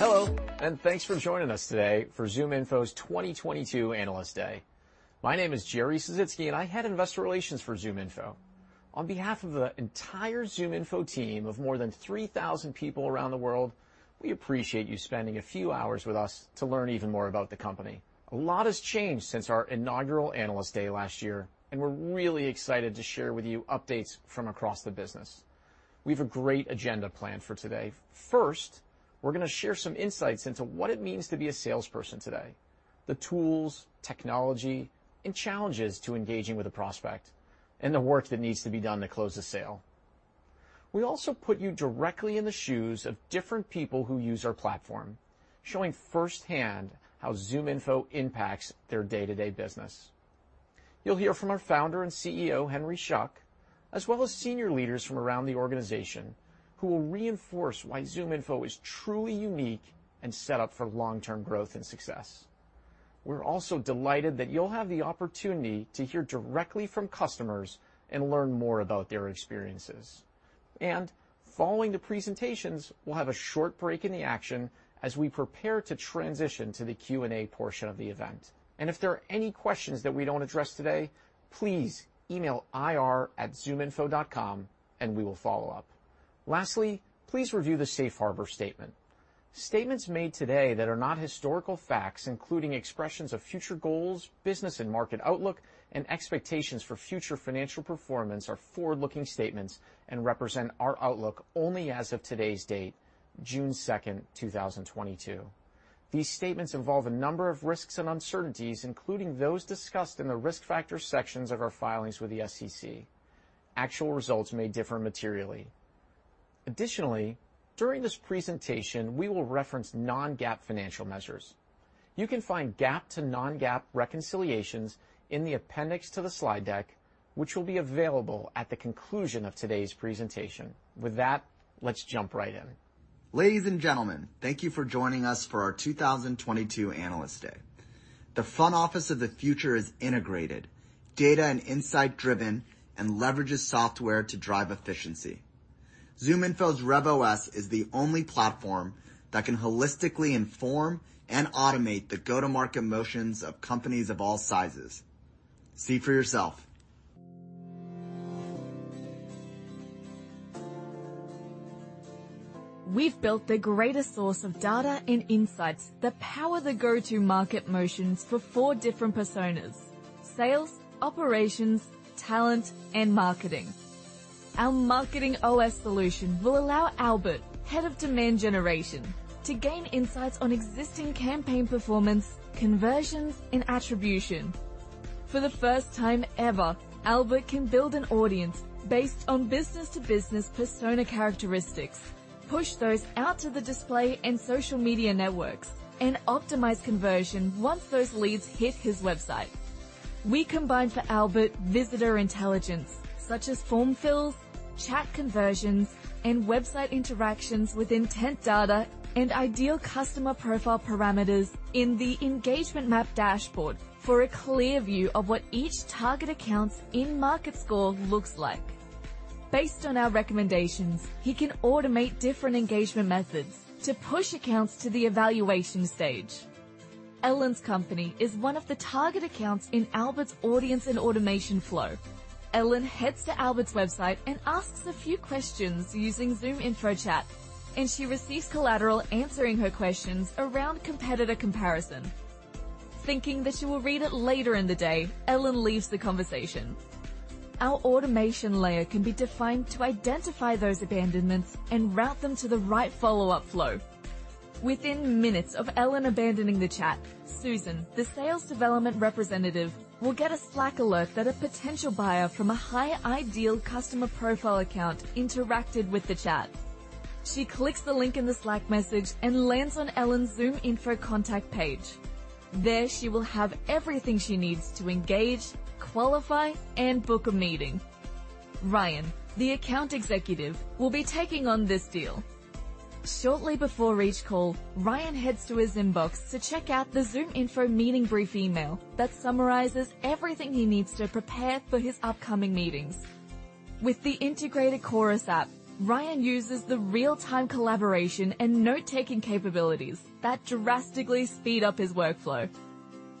Hello, and thanks for joining us today for ZoomInfo's 2022 Analyst Day. My name is Jerry Sisitsky, and I head Investor Relations for ZoomInfo. On behalf of the entire ZoomInfo team of more than 3,000 people around the world, we appreciate you spending a few hours with us to learn even more about the company. A lot has changed since our inaugural Analyst Day last year, and we're really excited to share with you updates from across the business. We have a great agenda planned for today. First, we're gonna share some insights into what it means to be a salesperson today, the tools, technology, and challenges to engaging with a prospect, and the work that needs to be done to close the sale. We also put you directly in the shoes of different people who use our platform, showing firsthand how ZoomInfo impacts their day-to-day business. You'll hear from our founder and CEO, Henry Schuck, as well as senior leaders from around the organization, who will reinforce why ZoomInfo is truly unique and set up for long-term growth and success. We're also delighted that you'll have the opportunity to hear directly from customers and learn more about their experiences. Following the presentations, we'll have a short break in the action as we prepare to transition to the Q&A portion of the event. If there are any questions that we don't address today, please email ir@zoominfo.com, and we will follow up. Lastly, please review the safe harbor statement. Statements made today that are not historical facts, including expressions of future goals, business and market outlook, and expectations for future financial performance are forward-looking statements and represent our outlook only as of today's date, June 2, 2022. These statements involve a number of risks and uncertainties, including those discussed in the Risk Factors sections of our filings with the SEC. Actual results may differ materially. Additionally, during this presentation, we will reference non-GAAP financial measures. You can find GAAP to non-GAAP reconciliations in the appendix to the slide deck which will be available at the conclusion of today's presentation. With that, let's jump right in. Ladies and gentlemen, thank you for joining us for our 2022 Analyst Day. The front office of the future is integrated, data and insight driven, and leverages software to drive efficiency. ZoomInfo's RevOS is the only platform that can holistically inform and automate the go-to-market motions of companies of all sizes. See for yourself. We've built the greatest source of data and insights that power the go-to-market motions for four different personas: sales, operations, talent, and marketing. Our MarketingOS solution will allow Albert, head of demand generation, to gain insights on existing campaign performance, conversions, and attribution. For the first time ever, Albert can build an audience based on business-to-business persona characteristics, push those out to the display and social media networks, and optimize conversion once those leads hit his website. We combine for Albert visitor intelligence, such as form fills, chat conversions, and website interactions with intent data and ideal customer profile parameters in the engagement map dashboard for a clear view of what each target account's in-market score looks like. Based on our recommendations, he can automate different engagement methods to push accounts to the evaluation stage. Ellen's company is one of the target accounts in Albert's audience and automation flow. Ellen heads to Albert's website and asks a few questions using ZoomInfo Chat, and she receives collateral answering her questions around competitor comparison. Thinking that she will read it later in the day, Ellen leaves the conversation. Our automation layer can be defined to identify those abandonments and route them to the right follow-up flow. Within minutes of Ellen abandoning the chat, Susan, the sales development representative, will get a Slack alert that a potential buyer from a high ideal customer profile account interacted with the chat. She clicks the link in the Slack message and lands on Ellen's ZoomInfo contact page. There she will have everything she needs to engage, qualify, and book a meeting. Ryan, the account executive, will be taking on this deal. Shortly before each call, Ryan heads to his inbox to check out the ZoomInfo meeting brief email that summarizes everything he needs to prepare for his upcoming meetings. With the integrated Chorus app, Ryan uses the real-time collaboration and note-taking capabilities that drastically speed up his workflow.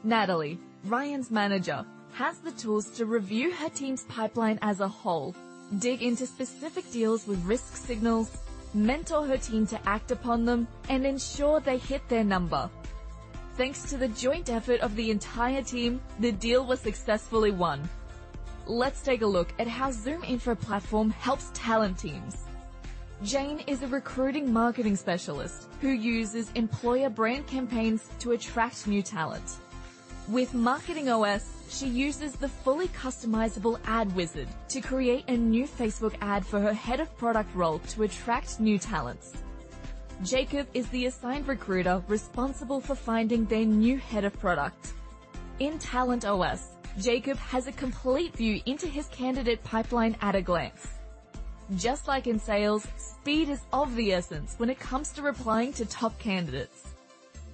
Natalie, Ryan's manager, has the tools to review her team's pipeline as a whole, dig into specific deals with risk signals, mentor her team to act upon them, and ensure they hit their number. Thanks to the joint effort of the entire team, the deal was successfully won. Let's take a look at how ZoomInfo platform helps talent teams. Jane is a recruiting marketing specialist who uses employer brand campaigns to attract new talent. With MarketingOS, she uses the fully customizable ad wizard to create a new Facebook ad for her head of product role to attract new talents. Jacob is the assigned recruiter responsible for finding their new head of product. In TalentOS, Jacob has a complete view into his candidate pipeline at a glance. Just like in sales, speed is of the essence when it comes to replying to top candidates.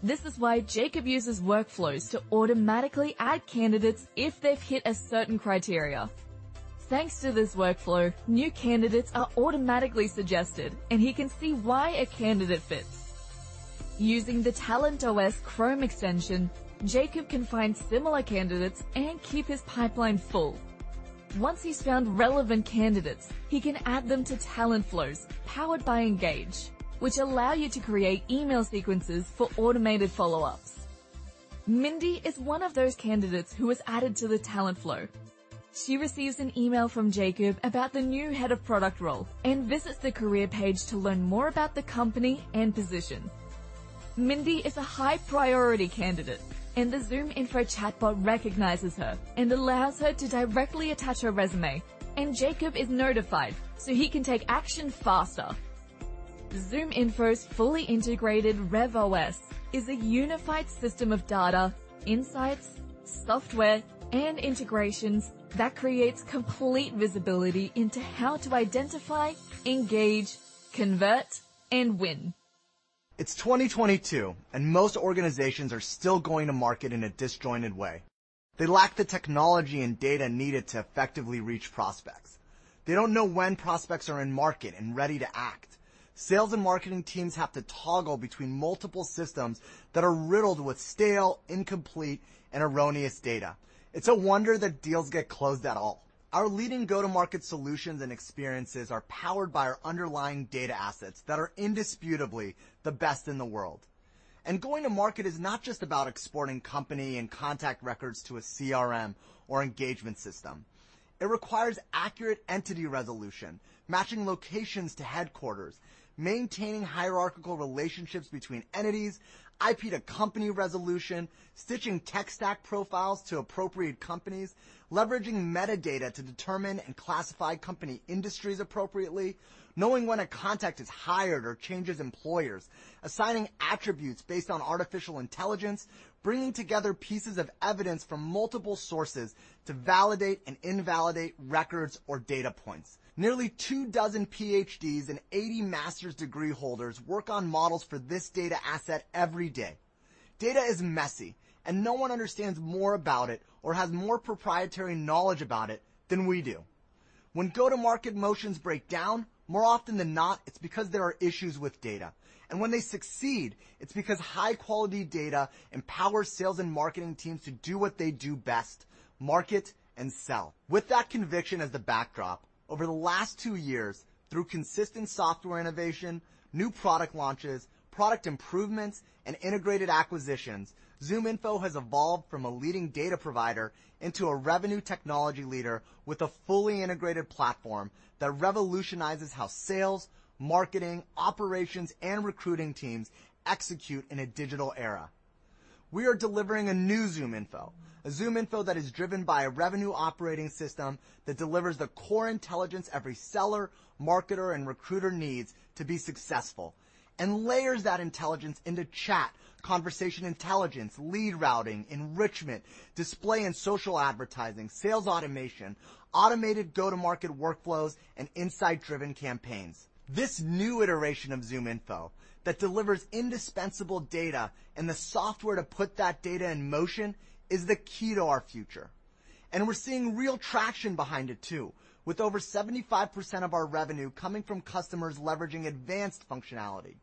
This is why Jacob uses workflows to automatically add candidates if they've hit a certain criteria. Thanks to this workflow, new candidates are automatically suggested, and he can see why a candidate fits. Using the TalentOS Chrome extension, Jacob can find similar candidates and keep his pipeline full. Once he's found relevant candidates, he can add them to talent flows powered by Engage, which allow you to create email sequences for automated follow-ups. Mindy is one of those candidates who was added to the talent flow. She receives an email from Jacob about the new head of product role and visits the career page to learn more about the company and position. Mindy is a high-priority candidate, and the ZoomInfo chatbot recognizes her and allows her to directly attach her resume, and Jacob is notified, so he can take action faster. ZoomInfo's fully integrated RevOS is a unified system of data, insights, software, and integrations that creates complete visibility into how to identify, engage, convert, and win. It's 2022, and most organizations are still going to market in a disjointed way. They lack the technology and data needed to effectively reach prospects. They don't know when prospects are in market and ready to act. Sales and marketing teams have to toggle between multiple systems that are riddled with stale, incomplete, and erroneous data. It's a wonder that deals get closed at all. Our leading go-to-market solutions and experiences are powered by our underlying data assets that are indisputably the best in the world. Going to market is not just about exporting company and contact records to a CRM or engagement system. It requires accurate entity resolution, matching locations to headquarters, maintaining hierarchical relationships between entities, IP to company resolution, stitching tech stack profiles to appropriate companies, leveraging metadata to determine and classify company industries appropriately, knowing when a contact is hired or changes employers, assigning attributes based on artificial intelligence, bringing together pieces of evidence from multiple sources to validate and invalidate records or data points. Nearly 24 PhDs and 80 master's degree holders work on models for this data asset every day. Data is messy, and no one understands more about it or has more proprietary knowledge about it than we do. When go-to-market motions break down, more often than not, it's because there are issues with data, and when they succeed, it's because high-quality data empowers sales and marketing teams to do what they do best: market and sell. With that conviction as the backdrop, over the last two years, through consistent software innovation, new product launches, product improvements, and integrated acquisitions, ZoomInfo has evolved from a leading data provider into a revenue technology leader with a fully integrated platform that revolutionizes how sales, marketing, operations, and recruiting teams execute in a digital era. We are delivering a new ZoomInfo, a ZoomInfo that is driven by a revenue operating system that delivers the core intelligence every seller, marketer, and recruiter needs to be successful and layers that intelligence into chat, conversation intelligence, lead routing, enrichment, display and social advertising, sales automation, automated go-to-market workflows, and insight-driven campaigns. This new iteration of ZoomInfo that delivers indispensable data and the software to put that data in motion is the key to our future, and we're seeing real traction behind it too, with over 75% of our revenue coming from customers leveraging advanced functionality.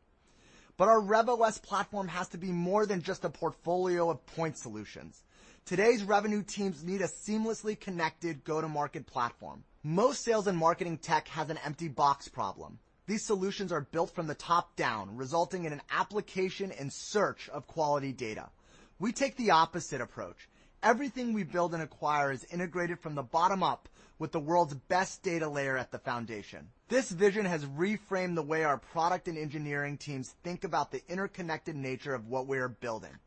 Our RevOS platform has to be more than just a portfolio of point solutions. Today's revenue teams need a seamlessly connected go-to-market platform. Most sales and marketing tech have an empty box problem. These solutions are built from the top down, resulting in an application in search of quality data. We take the opposite approach. Everything we build and acquire is integrated from the bottom up with the world's best data layer at the foundation. This vision has reframed the way our product and engineering teams think about the interconnected nature of what we are building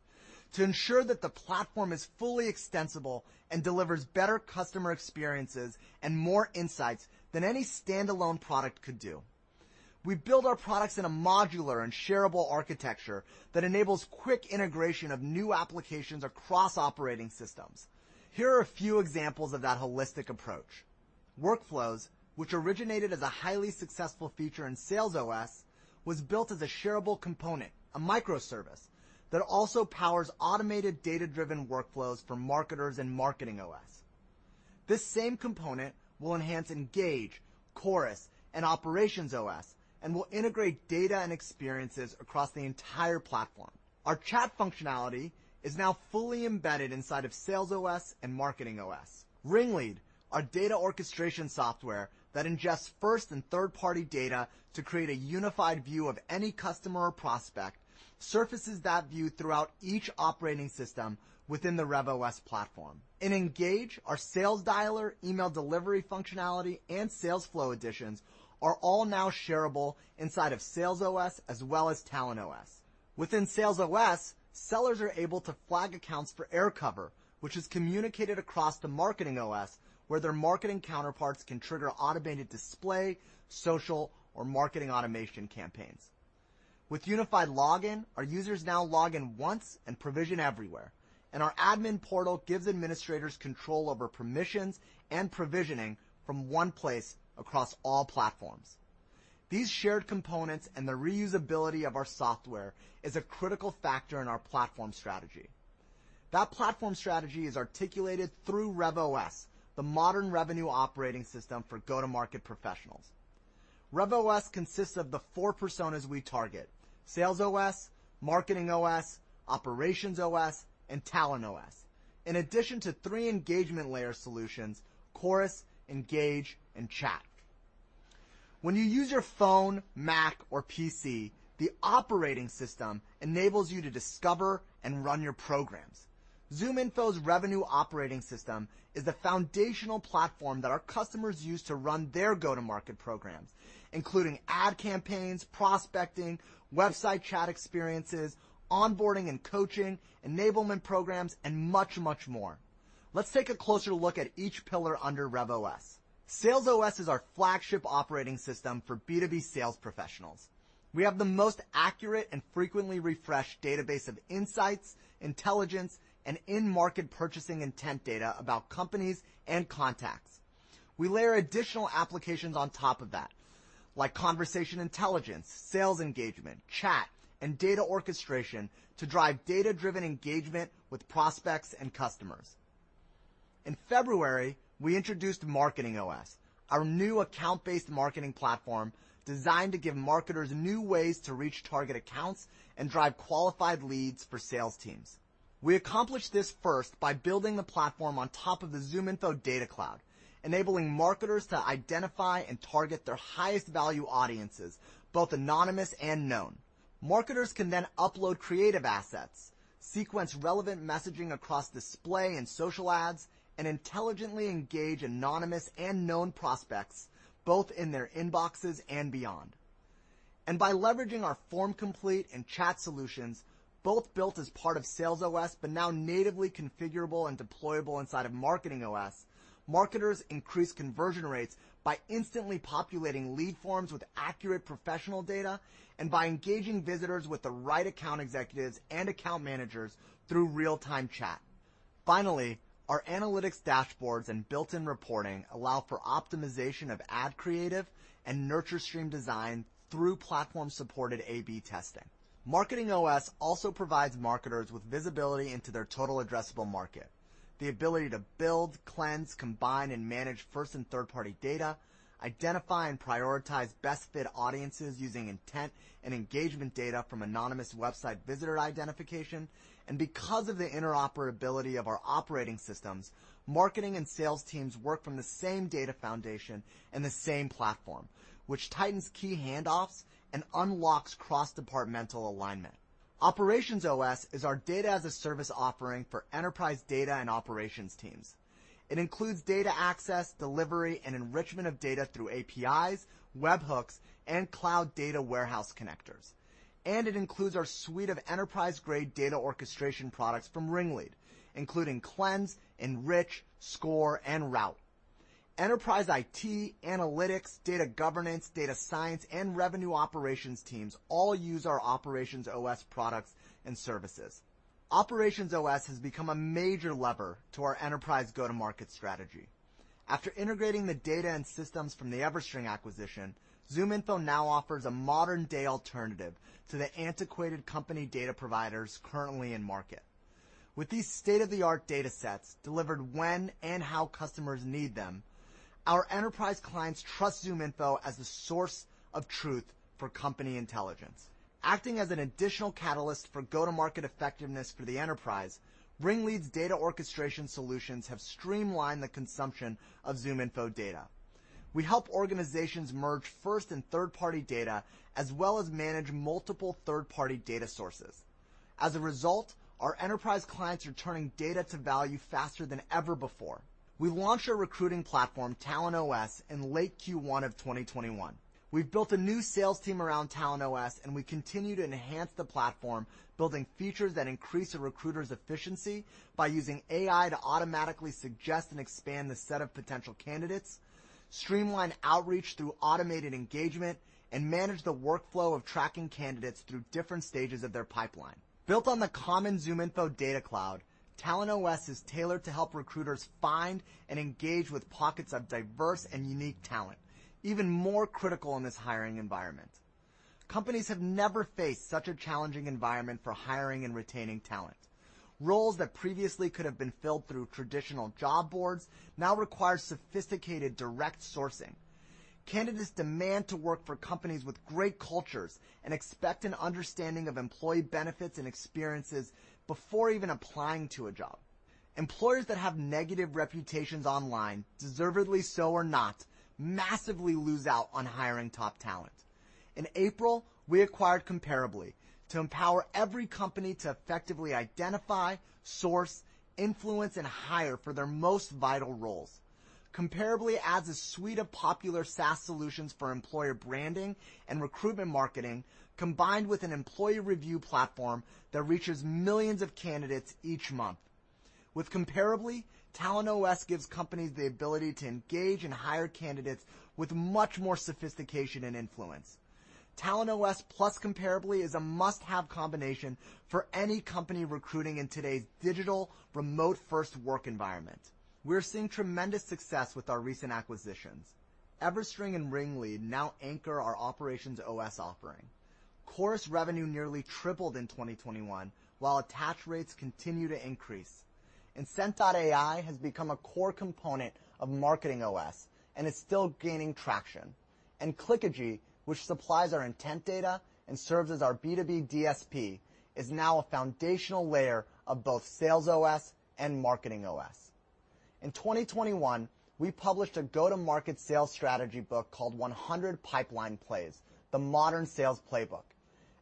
to ensure that the platform is fully extensible and delivers better customer experiences and more insights than any standalone product could do. We build our products in a modular and shareable architecture that enables quick integration of new applications across operating systems. Here are a few examples of that holistic approach. Workflows, which originated as a highly successful feature in SalesOS, was built as a shareable component, a microservice that also powers automated data-driven workflows for marketers in MarketingOS. This same component will enhance Engage, Chorus, and OperationsOS and will integrate data and experiences across the entire platform. Our Chat functionality is now fully embedded inside of SalesOS and MarketingOS. RingLead, our data orchestration software that ingests first- and third-party data to create a unified view of any customer or prospect, surfaces that view throughout each operating system within the RevOS platform. In Engage, our sales dialer, email delivery functionality, and sales flow additions are all now shareable inside of SalesOS as well as TalentOS. Within SalesOS, sellers are able to flag accounts for air cover, which is communicated across the MarketingOS, where their marketing counterparts can trigger automated display, social, or marketing automation campaigns. With unified login, our users now log in once and provision everywhere, and our admin portal gives administrators control over permissions and provisioning from one place across all platforms. These shared components and the reusability of our software is a critical factor in our platform strategy. That platform strategy is articulated through RevOS, the modern revenue operating system for go-to-market professionals. RevOS consists of the four personas we target: Sales OS, Marketing OS, OperationsOS, and Talent OS. In addition to three engagement layer solutions, Chorus, Engage, and Chat. When you use your phone, Mac, or PC, the operating system enables you to discover and run your programs. ZoomInfo's revenue operating system is the foundational platform that our customers use to run their go-to-market programs, including ad campaigns, prospecting, website chat experiences, onboarding and coaching, enablement programs, and much, much more. Let's take a closer look at each pillar under RevOS. Sales OS is our flagship operating system for B2B sales professionals. We have the most accurate and frequently refreshed database of insights, intelligence, and in-market purchasing intent data about companies and contacts. We layer additional applications on top of that, like conversation intelligence, sales engagement, chat, and data orchestration to drive data-driven engagement with prospects and customers. In February, we introduced MarketingOS, our new account-based marketing platform designed to give marketers new ways to reach target accounts and drive qualified leads for sales teams. We accomplished this first by building the platform on top of the ZoomInfo data cloud, enabling marketers to identify and target their highest value audiences, both anonymous and known. Marketers can then upload creative assets, sequence relevant messaging across display and social ads, and intelligently engage anonymous and known prospects, both in their inboxes and beyond. By leveraging our FormComplete and Chat solutions, both built as part of SalesOS, but now natively configurable and deployable inside of MarketingOS, marketers increase conversion rates by instantly populating lead forms with accurate professional data and by engaging visitors with the right account executives and account managers through real-time chat. Finally, our analytics dashboards and built-in reporting allow for optimization of ad creative and nurture stream design through platform-supported A/B testing. MarketingOS also provides marketers with visibility into their total addressable market, the ability to build, cleanse, combine, and manage first and third-party data, identify and prioritize best fit audiences using intent and engagement data from anonymous website visitor identification. Because of the interoperability of our operating systems, marketing and sales teams work from the same data foundation and the same platform, which tightens key handoffs and unlocks cross-departmental alignment. OperationsOS is our data as a service offering for enterprise data and operations teams. It includes data access, delivery, and enrichment of data through APIs, webhooks, and cloud data warehouse connectors. It includes our suite of enterprise-grade data orchestration products from RingLead, including Cleanse, Enrich, Score, and Route. Enterprise IT, analytics, data governance, data science, and revenue operations teams all use our Operations OS products and services. Operations OS has become a major lever to our enterprise go-to-market strategy. After integrating the data and systems from the EverString acquisition, ZoomInfo now offers a modern-day alternative to the antiquated company data providers currently in market. With these state-of-the-art data sets delivered when and how customers need them, our enterprise clients trust ZoomInfo as a source of truth for company intelligence. Acting as an additional catalyst for go-to-market effectiveness for the enterprise, RingLead's data orchestration solutions have streamlined the consumption of ZoomInfo data. We help organizations merge first and third-party data, as well as manage multiple third-party data sources. As a result, our enterprise clients are turning data to value faster than ever before. We launched our recruiting platform, Talent OS, in late Q1 of 2021. We've built a new sales team around TalentOS, and we continue to enhance the platform, building features that increase a recruiter's efficiency by using AI to automatically suggest and expand the set of potential candidates, streamline outreach through automated engagement, and manage the workflow of tracking candidates through different stages of their pipeline. Built on the common ZoomInfo data cloud, TalentOS is tailored to help recruiters find and engage with pockets of diverse and unique talent, even more critical in this hiring environment. Companies have never faced such a challenging environment for hiring and retaining talent. Roles that previously could have been filled through traditional job boards now require sophisticated direct sourcing. Candidates demand to work for companies with great cultures and expect an understanding of employee benefits and experiences before even applying to a job. Employers that have negative reputations online, deservedly so or not, massively lose out on hiring top talent. In April, we acquired Comparably to empower every company to effectively identify, source, influence, and hire for their most vital roles. Comparably adds a suite of popular SaaS solutions for employer branding and recruitment marketing, combined with an employee review platform that reaches millions of candidates each month. With Comparably, TalentOS gives companies the ability to engage and hire candidates with much more sophistication and influence. TalentOS plus Comparably is a must-have combination for any company recruiting in today's digital remote-first work environment. We're seeing tremendous success with our recent acquisitions. EverString and RingLead now anchor our OperationsOS offering. Chorus revenue nearly tripled in 2021 while attach rates continue to increase. Insent.ai has become a core component of MarketingOS and is still gaining traction. Clickagy, which supplies our intent data and serves as our B2B DSP, is now a foundational layer of both SalesOS and MarketingOS. In 2021, we published a go-to-market sales strategy book called 100 Pipeline Plays: The Modern Sales Playbook.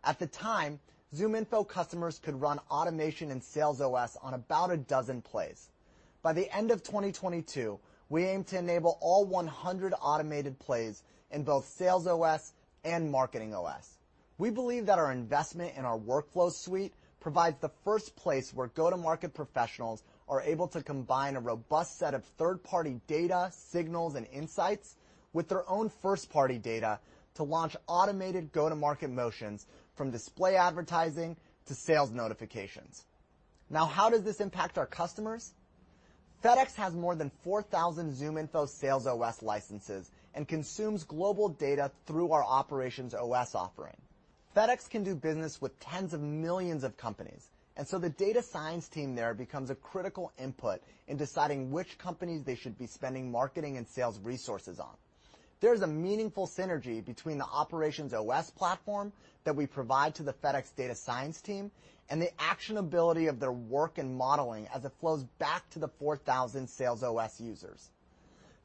At the time, ZoomInfo customers could run automation in SalesOS on about a dozen plays. By the end of 2022, we aim to enable all 100 automated plays in both SalesOS and MarketingOS. We believe that our investment in our workflow suite provides the first place where go-to-market professionals are able to combine a robust set of third-party data, signals, and insights with their own first-party data to launch automated go-to-market motions from display advertising to sales notifications. Now, how does this impact our customers? FedEx has more than 4,000 ZoomInfo SalesOS licenses and consumes global data through our OperationsOS offering. FedEx can do business with tens of millions of companies, and so the data science team there becomes a critical input in deciding which companies they should be spending marketing and sales resources on. There's a meaningful synergy between the OperationsOS platform that we provide to the FedEx data science team and the actionability of their work and modeling as it flows back to the 4,000 SalesOS users.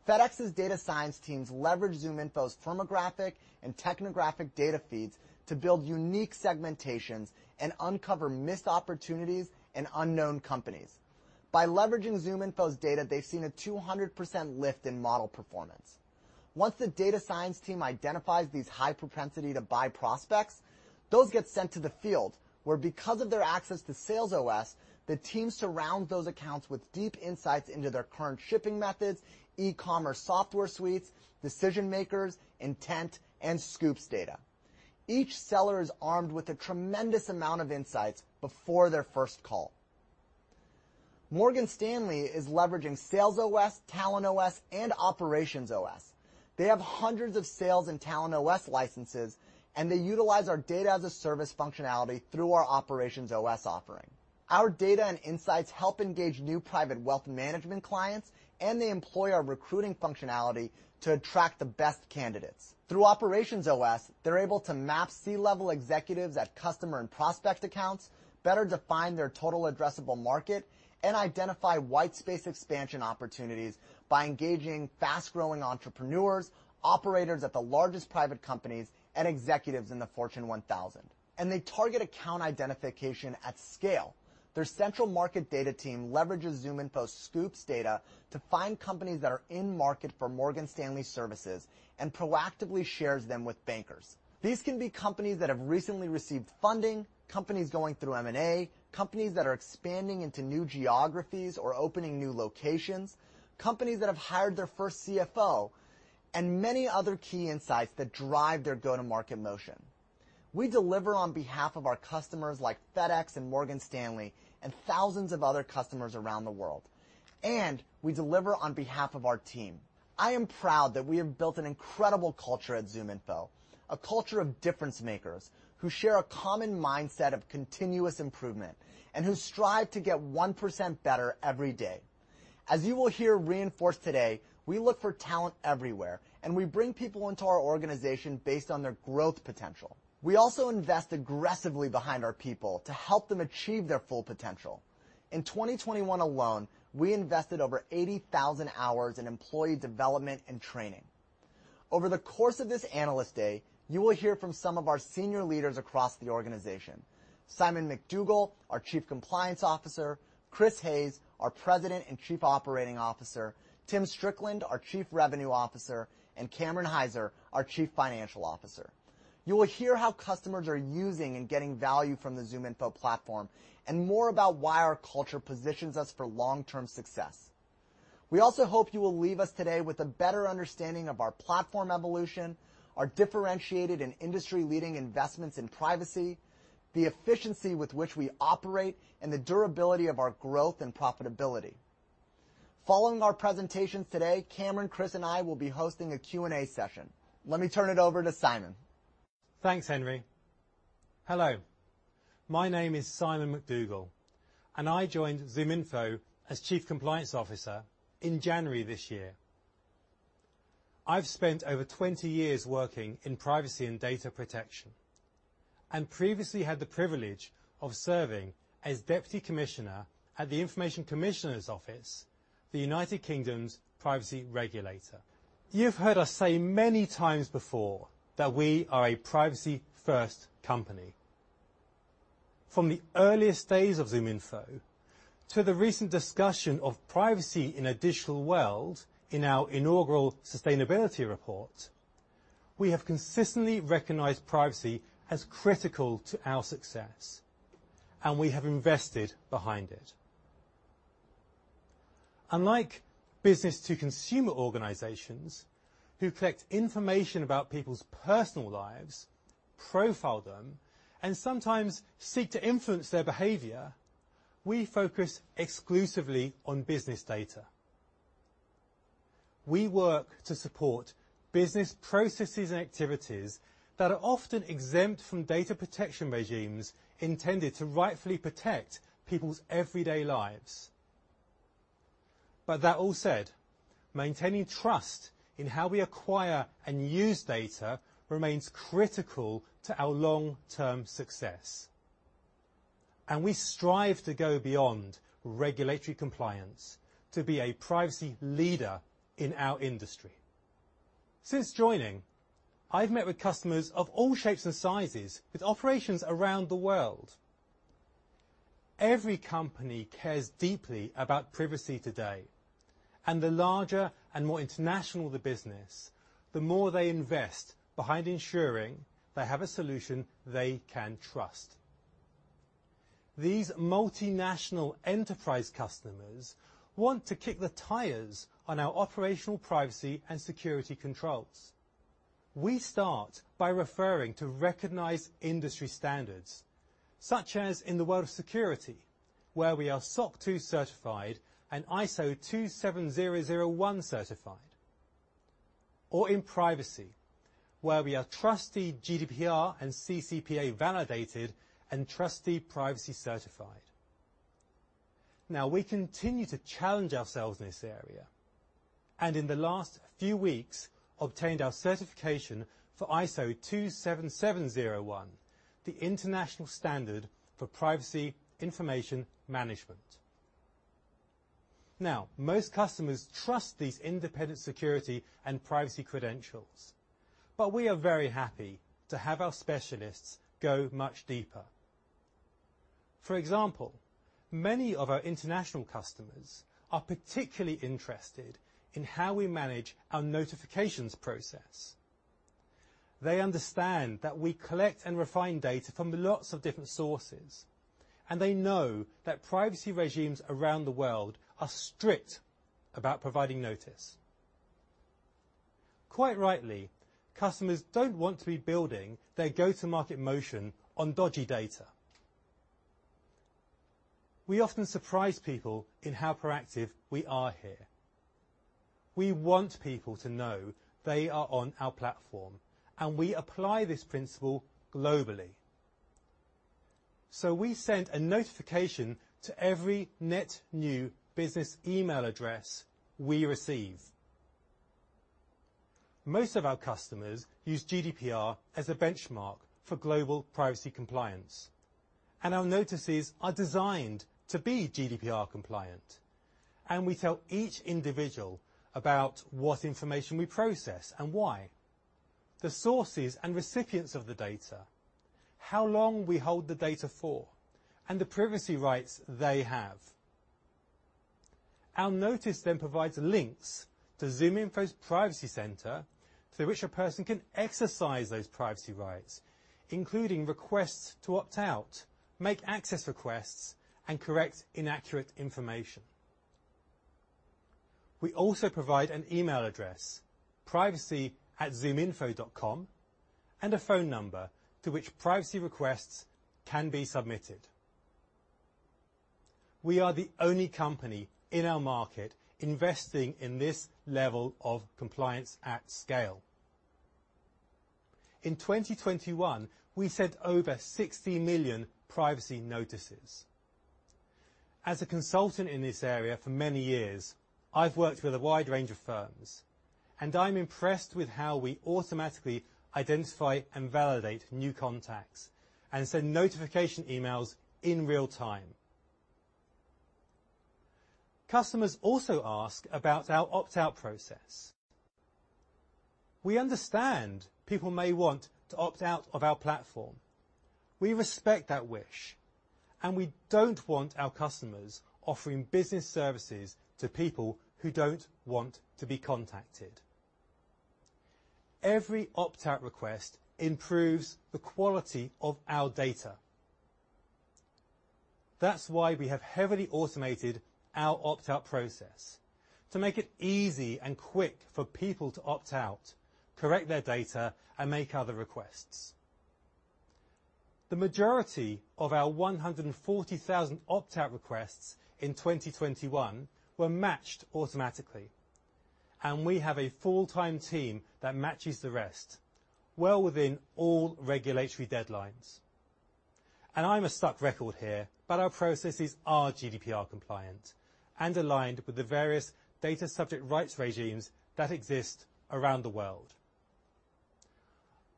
FedEx's data science teams leverage ZoomInfo's firmographic and technographic data feeds to build unique segmentations and uncover missed opportunities in unknown companies. By leveraging ZoomInfo's data, they've seen a 200% lift in model performance. Once the data science team identifies these high propensity to buy prospects, those get sent to the field, where because of their access to SalesOS, the team surrounds those accounts with deep insights into their current shipping methods, e-commerce software suites, decision-makers, intent, and Scoops data. Each seller is armed with a tremendous amount of insights before their first call. Morgan Stanley is leveraging SalesOS, TalentOS, and OperationsOS. They have hundreds of Sales and TalentOS licenses, and they utilize our data-as-a-service functionality through our OperationsOS offering. Our data and insights help engage new private wealth management clients, and they employ our recruiting functionality to attract the best candidates. Through OperationsOS, they're able to map C-level executives at customer and prospect accounts, better define their total addressable market, and identify whitespace expansion opportunities by engaging fast-growing entrepreneurs, operators at the largest private companies, and executives in the Fortune 1000. They target account identification at scale. Their central market data team leverages ZoomInfo Scoops data to find companies that are in market for Morgan Stanley services and proactively shares them with bankers. These can be companies that have recently received funding, companies going through M&A, companies that are expanding into new geographies or opening new locations, companies that have hired their first CFO, and many other key insights that drive their go-to-market motion. We deliver on behalf of our customers like FedEx and Morgan Stanley and thousands of other customers around the world, and we deliver on behalf of our team. I am proud that we have built an incredible culture at ZoomInfo, a culture of difference makers who share a common mindset of continuous improvement and who strive to get 1% better every day. As you will hear reinforced today, we look for talent everywhere, and we bring people into our organization based on their growth potential. We also invest aggressively behind our people to help them achieve their full potential. In 2021 alone, we invested over 80,000 hours in employee development and training. Over the course of this Analyst Day, you will hear from some of our senior leaders across the organization. Simon McDougall, our Chief Compliance Officer, Chris Hays, our President and Chief Operating Officer, Tim Strickland, our Chief Revenue Officer, and Cameron Hyzer, our Chief Financial Officer. You will hear how customers are using and getting value from the ZoomInfo platform and more about why our culture positions us for long-term success. We also hope you will leave us today with a better understanding of our platform evolution, our differentiated and industry-leading investments in privacy, the efficiency with which we operate, and the durability of our growth and profitability. Following our presentations today, Cameron, Chris, and I will be hosting a Q&A session. Let me turn it over to Simon. Thanks, Henry. Hello. My name is Simon McDougall, and I joined ZoomInfo as chief compliance officer in January this year. I've spent over 20 years working in privacy and data protection and previously had the privilege of serving as deputy commissioner at the Information Commissioner's Office, the United Kingdom's privacy regulator. You've heard us say many times before that we are a privacy-first company. From the earliest days of ZoomInfo to the recent discussion of privacy in a digital world in our inaugural sustainability report, we have consistently recognized privacy as critical to our success, and we have invested behind it. Unlike business-to-consumer organizations who collect information about people's personal lives, profile them, and sometimes seek to influence their behavior, we focus exclusively on business data. We work to support business processes and activities that are often exempt from data protection regimes intended to rightfully protect people's everyday lives. that all said, maintaining trust in how we acquire and use data remains critical to our long-term success, and we strive to go beyond regulatory compliance to be a privacy leader in our industry. Since joining, I've met with customers of all shapes and sizes with operations around the world. Every company cares deeply about privacy today, and the larger and more international the business, the more they invest behind ensuring they have a solution they can trust. These multinational enterprise customers want to kick the tires on our operational privacy and security controls. We start by referring to recognized industry standards, such as in the world of security, where we are SOC 2 certified and ISO 27001 certified, or in privacy, where we are trusted GDPR and CCPA validated and trusted privacy certified. Now, we continue to challenge ourselves in this area, and in the last few weeks, obtained our certification for ISO 27701, the international standard for privacy information management. Now, most customers trust these independent security and privacy credentials, but we are very happy to have our specialists go much deeper. For example, many of our international customers are particularly interested in how we manage our notifications process. They understand that we collect and refine data from lots of different sources, and they know that privacy regimes around the world are strict about providing notice. Quite rightly, customers don't want to be building their go-to-market motion on dodgy data. We often surprise people in how proactive we are here. We want people to know they are on our platform, and we apply this principle globally. We send a notification to every net new business email address we receive. Most of our customers use GDPR as a benchmark for global privacy compliance, and our notices are designed to be GDPR compliant. We tell each individual about what information we process and why, the sources and recipients of the data, how long we hold the data for, and the privacy rights they have. Our notice then provides links to ZoomInfo's privacy center, through which a person can exercise those privacy rights, including requests to opt out, make access requests, and correct inaccurate information. We also provide an email address, privacy@zoominfo.com and a phone number to which privacy requests can be submitted. We are the only company in our market investing in this level of compliance at scale. In 2021, we sent over 60 million privacy notices. As a consultant in this area for many years, I've worked with a wide range of firms, and I'm impressed with how we automatically identify and validate new contacts and send notification emails in real time. Customers also ask about our opt-out process. We understand people may want to opt out of our platform. We respect that wish, and we don't want our customers offering business services to people who don't want to be contacted. Every opt-out request improves the quality of our data. That's why we have heavily automated our opt-out process to make it easy and quick for people to opt out, correct their data, and make other requests. The majority of our 140,000 opt-out requests in 2021 were matched automatically, and we have a full-time team that matches the rest, well within all regulatory deadlines. I'm a broken record here, but our processes are GDPR compliant and aligned with the various data subject rights regimes that exist around the world.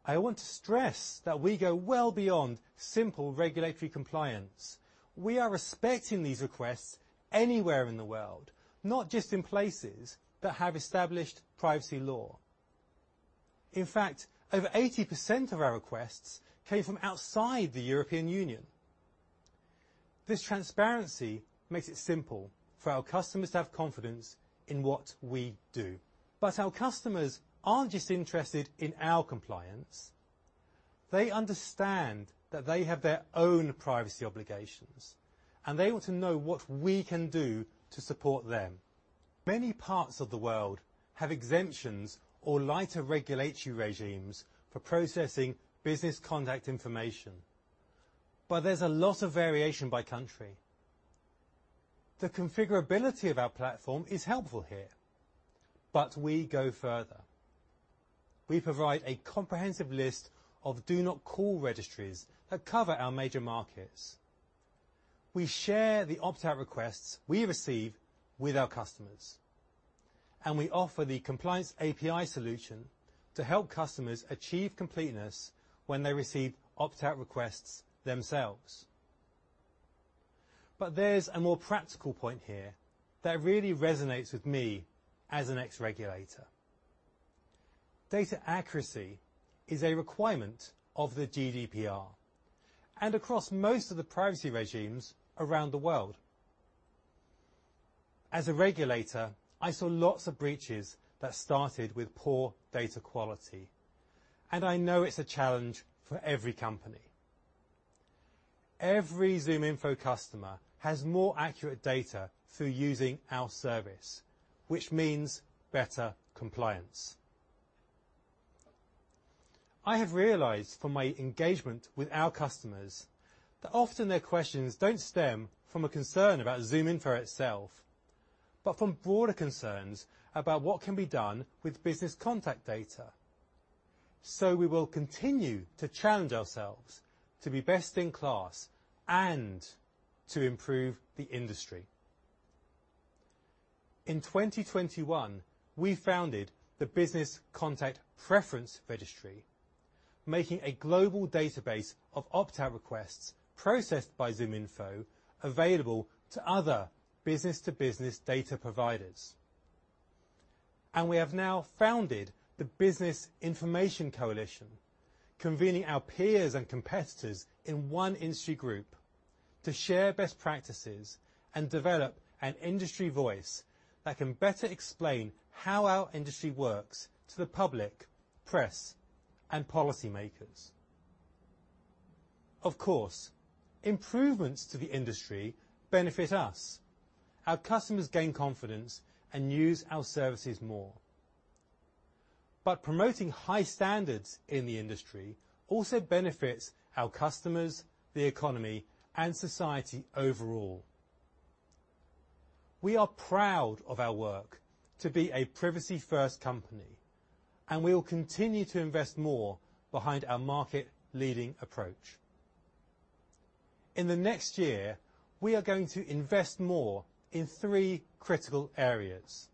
I want to stress that we go well beyond simple regulatory compliance. We are respecting these requests anywhere in the world, not just in places that have established privacy law. In fact, over 80% of our requests came from outside the European Union. This transparency makes it simple for our customers to have confidence in what we do. Our customers aren't just interested in our compliance. They understand that they have their own privacy obligations, and they want to know what we can do to support them. Many parts of the world have exemptions or lighter regulatory regimes for processing business contact information, but there's a lot of variation by country. The configurability of our platform is helpful here, but we go further. We provide a comprehensive list of do not call registries that cover our major markets. We share the opt-out requests we receive with our customers, and we offer the compliance API solution to help customers achieve completeness when they receive opt-out requests themselves. There's a more practical point here that really resonates with me as an ex-regulator. Data accuracy is a requirement of the GDPR and across most of the privacy regimes around the world. As a regulator, I saw lots of breaches that started with poor data quality, and I know it's a challenge for every company. Every ZoomInfo customer has more accurate data through using our service, which means better compliance. I have realized from my engagement with our customers that often their questions don't stem from a concern about ZoomInfo itself, but from broader concerns about what can be done with business contact data. We will continue to challenge ourselves to be best in class and to improve the industry. In 2021, we founded the Business Contact Preference Registry, making a global database of opt-out requests processed by ZoomInfo available to other business-to-business data providers. We have now founded the Business Information Coalition, convening our peers and competitors in one industry group to share best practices and develop an industry voice that can better explain how our industry works to the public, press, and policy makers. Of course, improvements to the industry benefit us. Our customers gain confidence and use our services more. Promoting high standards in the industry also benefits our customers, the economy, and society overall. We are proud of our work to be a privacy-first company, and we will continue to invest more behind our market-leading approach. In the next year, we are going to invest more in three critical areas.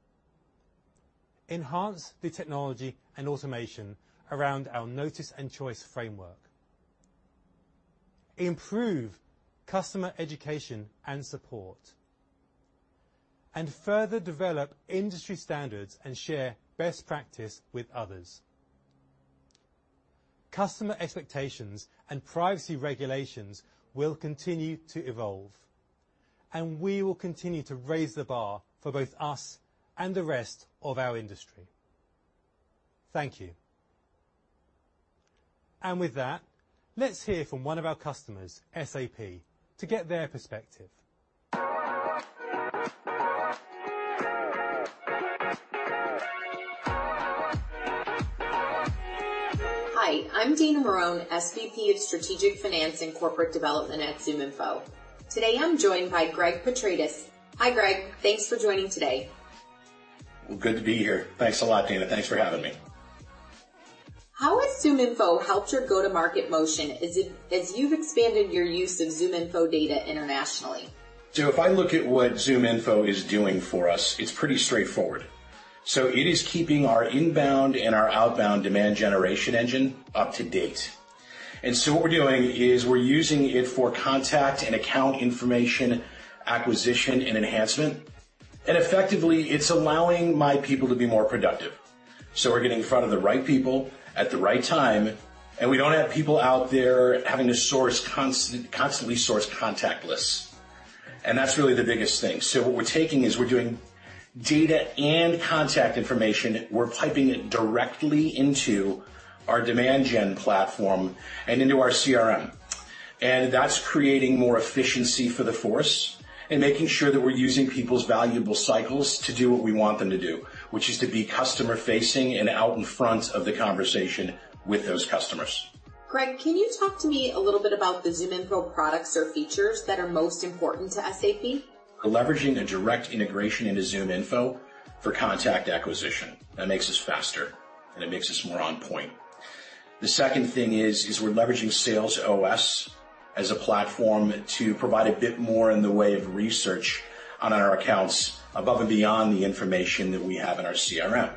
Enhance the technology and automation around our notice and choice framework. Improve customer education and support, and further develop industry standards and share best practice with others. Customer expectations and privacy regulations will continue to evolve, and we will continue to raise the bar for both us and the rest of our industry. Thank you. With that, let's hear from one of our customers, SAP, to get their perspective. Hi, I'm Dana Marohn, SVP of Strategic Finance and Corporate Development at ZoomInfo. Today, I'm joined by Greg Petraetis. Hi, Greg. Thanks for joining today. Good to be here. Thanks a lot, Dana. Thanks for having me. How has ZoomInfo helped your go-to-market motion as you've expanded your use of ZoomInfo data internationally? If I look at what ZoomInfo is doing for us, it's pretty straightforward. It is keeping our inbound and our outbound demand generation engine up to date. What we're doing is we're using it for contact and account information acquisition and enhancement. Effectively, it's allowing my people to be more productive. We're getting in front of the right people at the right time, and we don't have people out there having to constantly source contact lists. That's really the biggest thing. What we're taking is we're doing data and contact information, we're piping it directly into our demand gen platform and into our CRM. That's creating more efficiency for the force and making sure that we're using people's valuable cycles to do what we want them to do, which is to be customer-facing and out in front of the conversation with those customers. Greg, can you talk to me a little bit about the ZoomInfo products or features that are most important to SAP? Leveraging a direct integration into ZoomInfo for contact acquisition. That makes us faster, and it makes us more on point. The second thing is, we're leveraging Sales OS as a platform to provide a bit more in the way of research on our accounts above and beyond the information that we have in our CRM.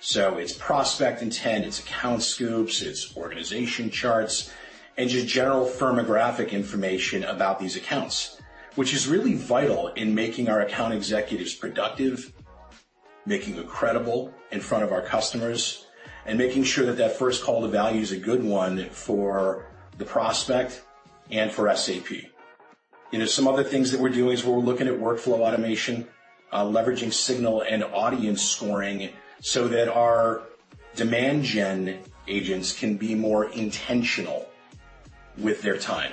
So it's prospect intent, it's account scoops, it's organization charts, and just general firmographic information about these accounts, which is really vital in making our account executives productive, making them credible in front of our customers, and making sure that that first call to value is a good one for the prospect and for SAP. You know, some other things that we're doing is we're looking at workflow automation, leveraging signal and audience scoring so that our demand gen agents can be more intentional with their time.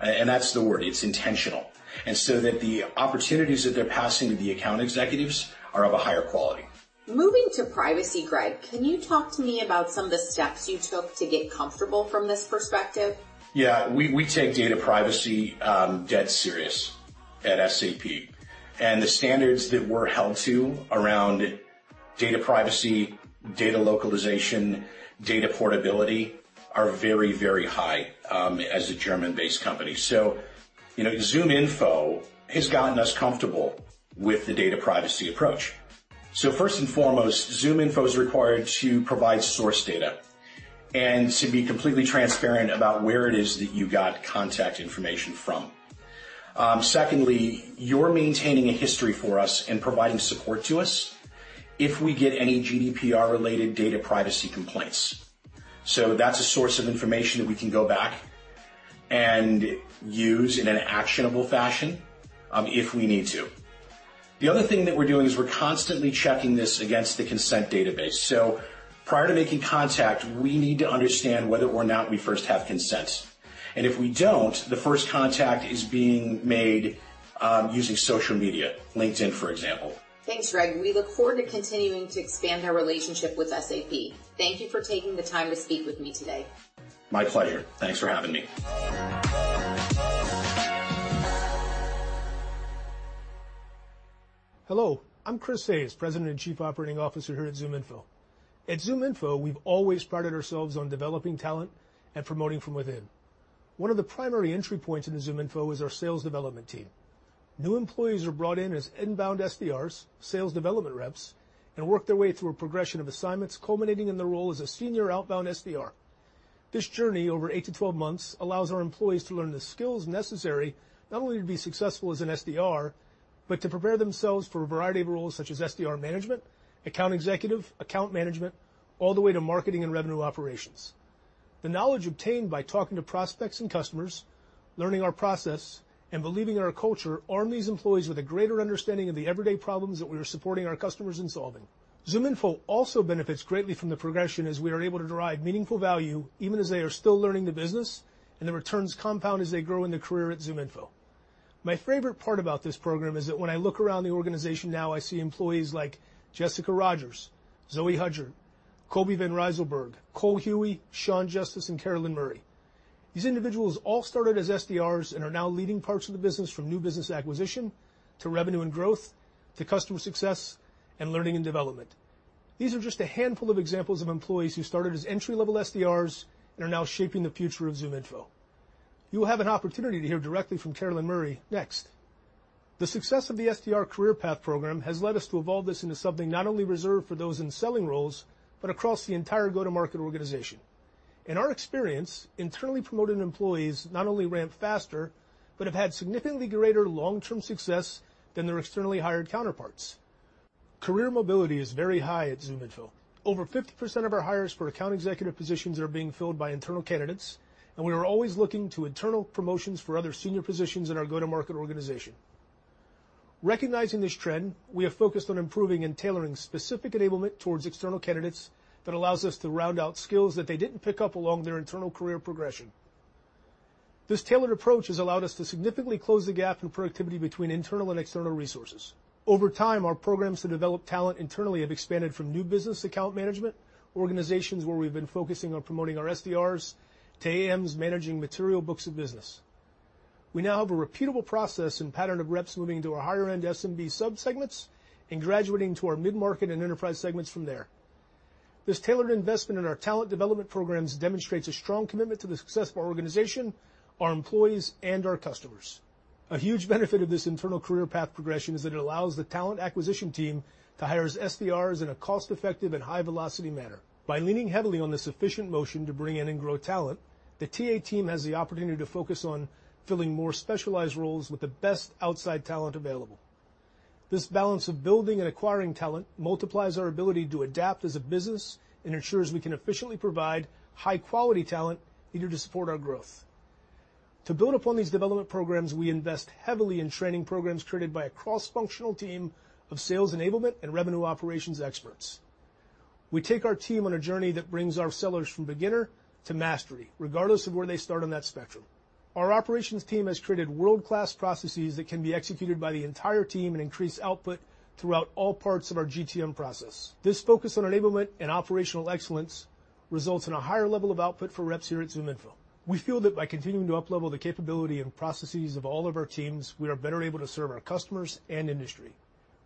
And that's the word, it's intentional. that the opportunities that they're passing to the account executives are of a higher quality. Moving to privacy, Greg, can you talk to me about some of the steps you took to get comfortable from this perspective? Yeah. We take data privacy dead serious at SAP. The standards that we're held to around data privacy, data localization, data portability are very, very high as a German-based company. You know, ZoomInfo has gotten us comfortable with the data privacy approach. First and foremost, ZoomInfo's required to provide source data and to be completely transparent about where it is that you got contact information from. Secondly, you're maintaining a history for us and providing support to us if we get any GDPR-related data privacy complaints. That's a source of information that we can go back and use in an actionable fashion if we need to. The other thing that we're doing is we're constantly checking this against the consent database. Prior to making contact, we need to understand whether or not we first have consent. If we don't, the first contact is being made using social media, LinkedIn, for example. Thanks, Greg. We look forward to continuing to expand our relationship with SAP. Thank you for taking the time to speak with me today. My pleasure. Thanks for having me. Hello, I'm Chris Hays, President and Chief Operating Officer here at ZoomInfo. At ZoomInfo, we've always prided ourselves on developing talent and promoting from within. One of the primary entry points into ZoomInfo is our sales development team. New employees are brought in as inbound SDRs, sales development reps, and work their way through a progression of assignments, culminating in their role as a senior outbound SDR. This journey over 8-12 months allows our employees to learn the skills necessary not only to be successful as an SDR, but to prepare themselves for a variety of roles such as SDR management, account executive, account management, all the way to marketing and revenue operations. The knowledge obtained by talking to prospects and customers, learning our process, and believing in our culture, arms these employees with a greater understanding of the everyday problems that we are supporting our customers in solving. ZoomInfo also benefits greatly from the progression as we are able to derive meaningful value, even as they are still learning the business and the returns compound as they grow in their career at ZoomInfo. My favorite part about this program is that when I look around the organization now, I see employees like Jessica Rogers, Zoe Hudgert, Kobe van Rijsselberghe, Cole Hughey, Sean Justice, and Carolyn Murray. These individuals all started as SDRs and are now leading parts of the business from new business acquisition to revenue and growth, to customer success and learning and development. These are just a handful of examples of employees who started as entry-level SDRs and are now shaping the future of ZoomInfo. You will have an opportunity to hear directly from Carolyn Murray next. The success of the SDR career path program has led us to evolve this into something not only reserved for those in selling roles, but across the entire go-to-market organization. In our experience, internally promoted employees not only ramp faster, but have had significantly greater long-term success than their externally hired counterparts. Career mobility is very high at ZoomInfo. Over 50% of our hires for account executive positions are being filled by internal candidates, and we are always looking to internal promotions for other senior positions in our go-to-market organization. Recognizing this trend, we have focused on improving and tailoring specific enablement towards external candidates that allows us to round out skills that they didn't pick up along their internal career progression. This tailored approach has allowed us to significantly close the gap in productivity between internal and external resources. Over time, our programs to develop talent internally have expanded from new business account management, organizations where we've been focusing on promoting our SDRs to AMs managing material books of business. We now have a repeatable process and pattern of reps moving to our higher-end SMB subsegments and graduating to our mid-market and enterprise segments from there. This tailored investment in our talent development programs demonstrates a strong commitment to the success of our organization, our employees, and our customers. A huge benefit of this internal career path progression is that it allows the talent acquisition team to hire SDRs in a cost-effective and high-velocity manner. By leaning heavily on the sufficient motion to bring in and grow talent, the TA team has the opportunity to focus on filling more specialized roles with the best outside talent available. This balance of building and acquiring talent multiplies our ability to adapt as a business and ensures we can efficiently provide high-quality talent needed to support our growth. To build upon these development programs, we invest heavily in training programs created by a cross-functional team of sales enablement and revenue operations experts. We take our team on a journey that brings our sellers from beginner to mastery, regardless of where they start on that spectrum. Our operations team has created world-class processes that can be executed by the entire team and increase output throughout all parts of our GTM process. This focus on enablement and operational excellence results in a higher level of output for reps here at ZoomInfo. We feel that by continuing to up-level the capability and processes of all of our teams, we are better able to serve our customers and industry.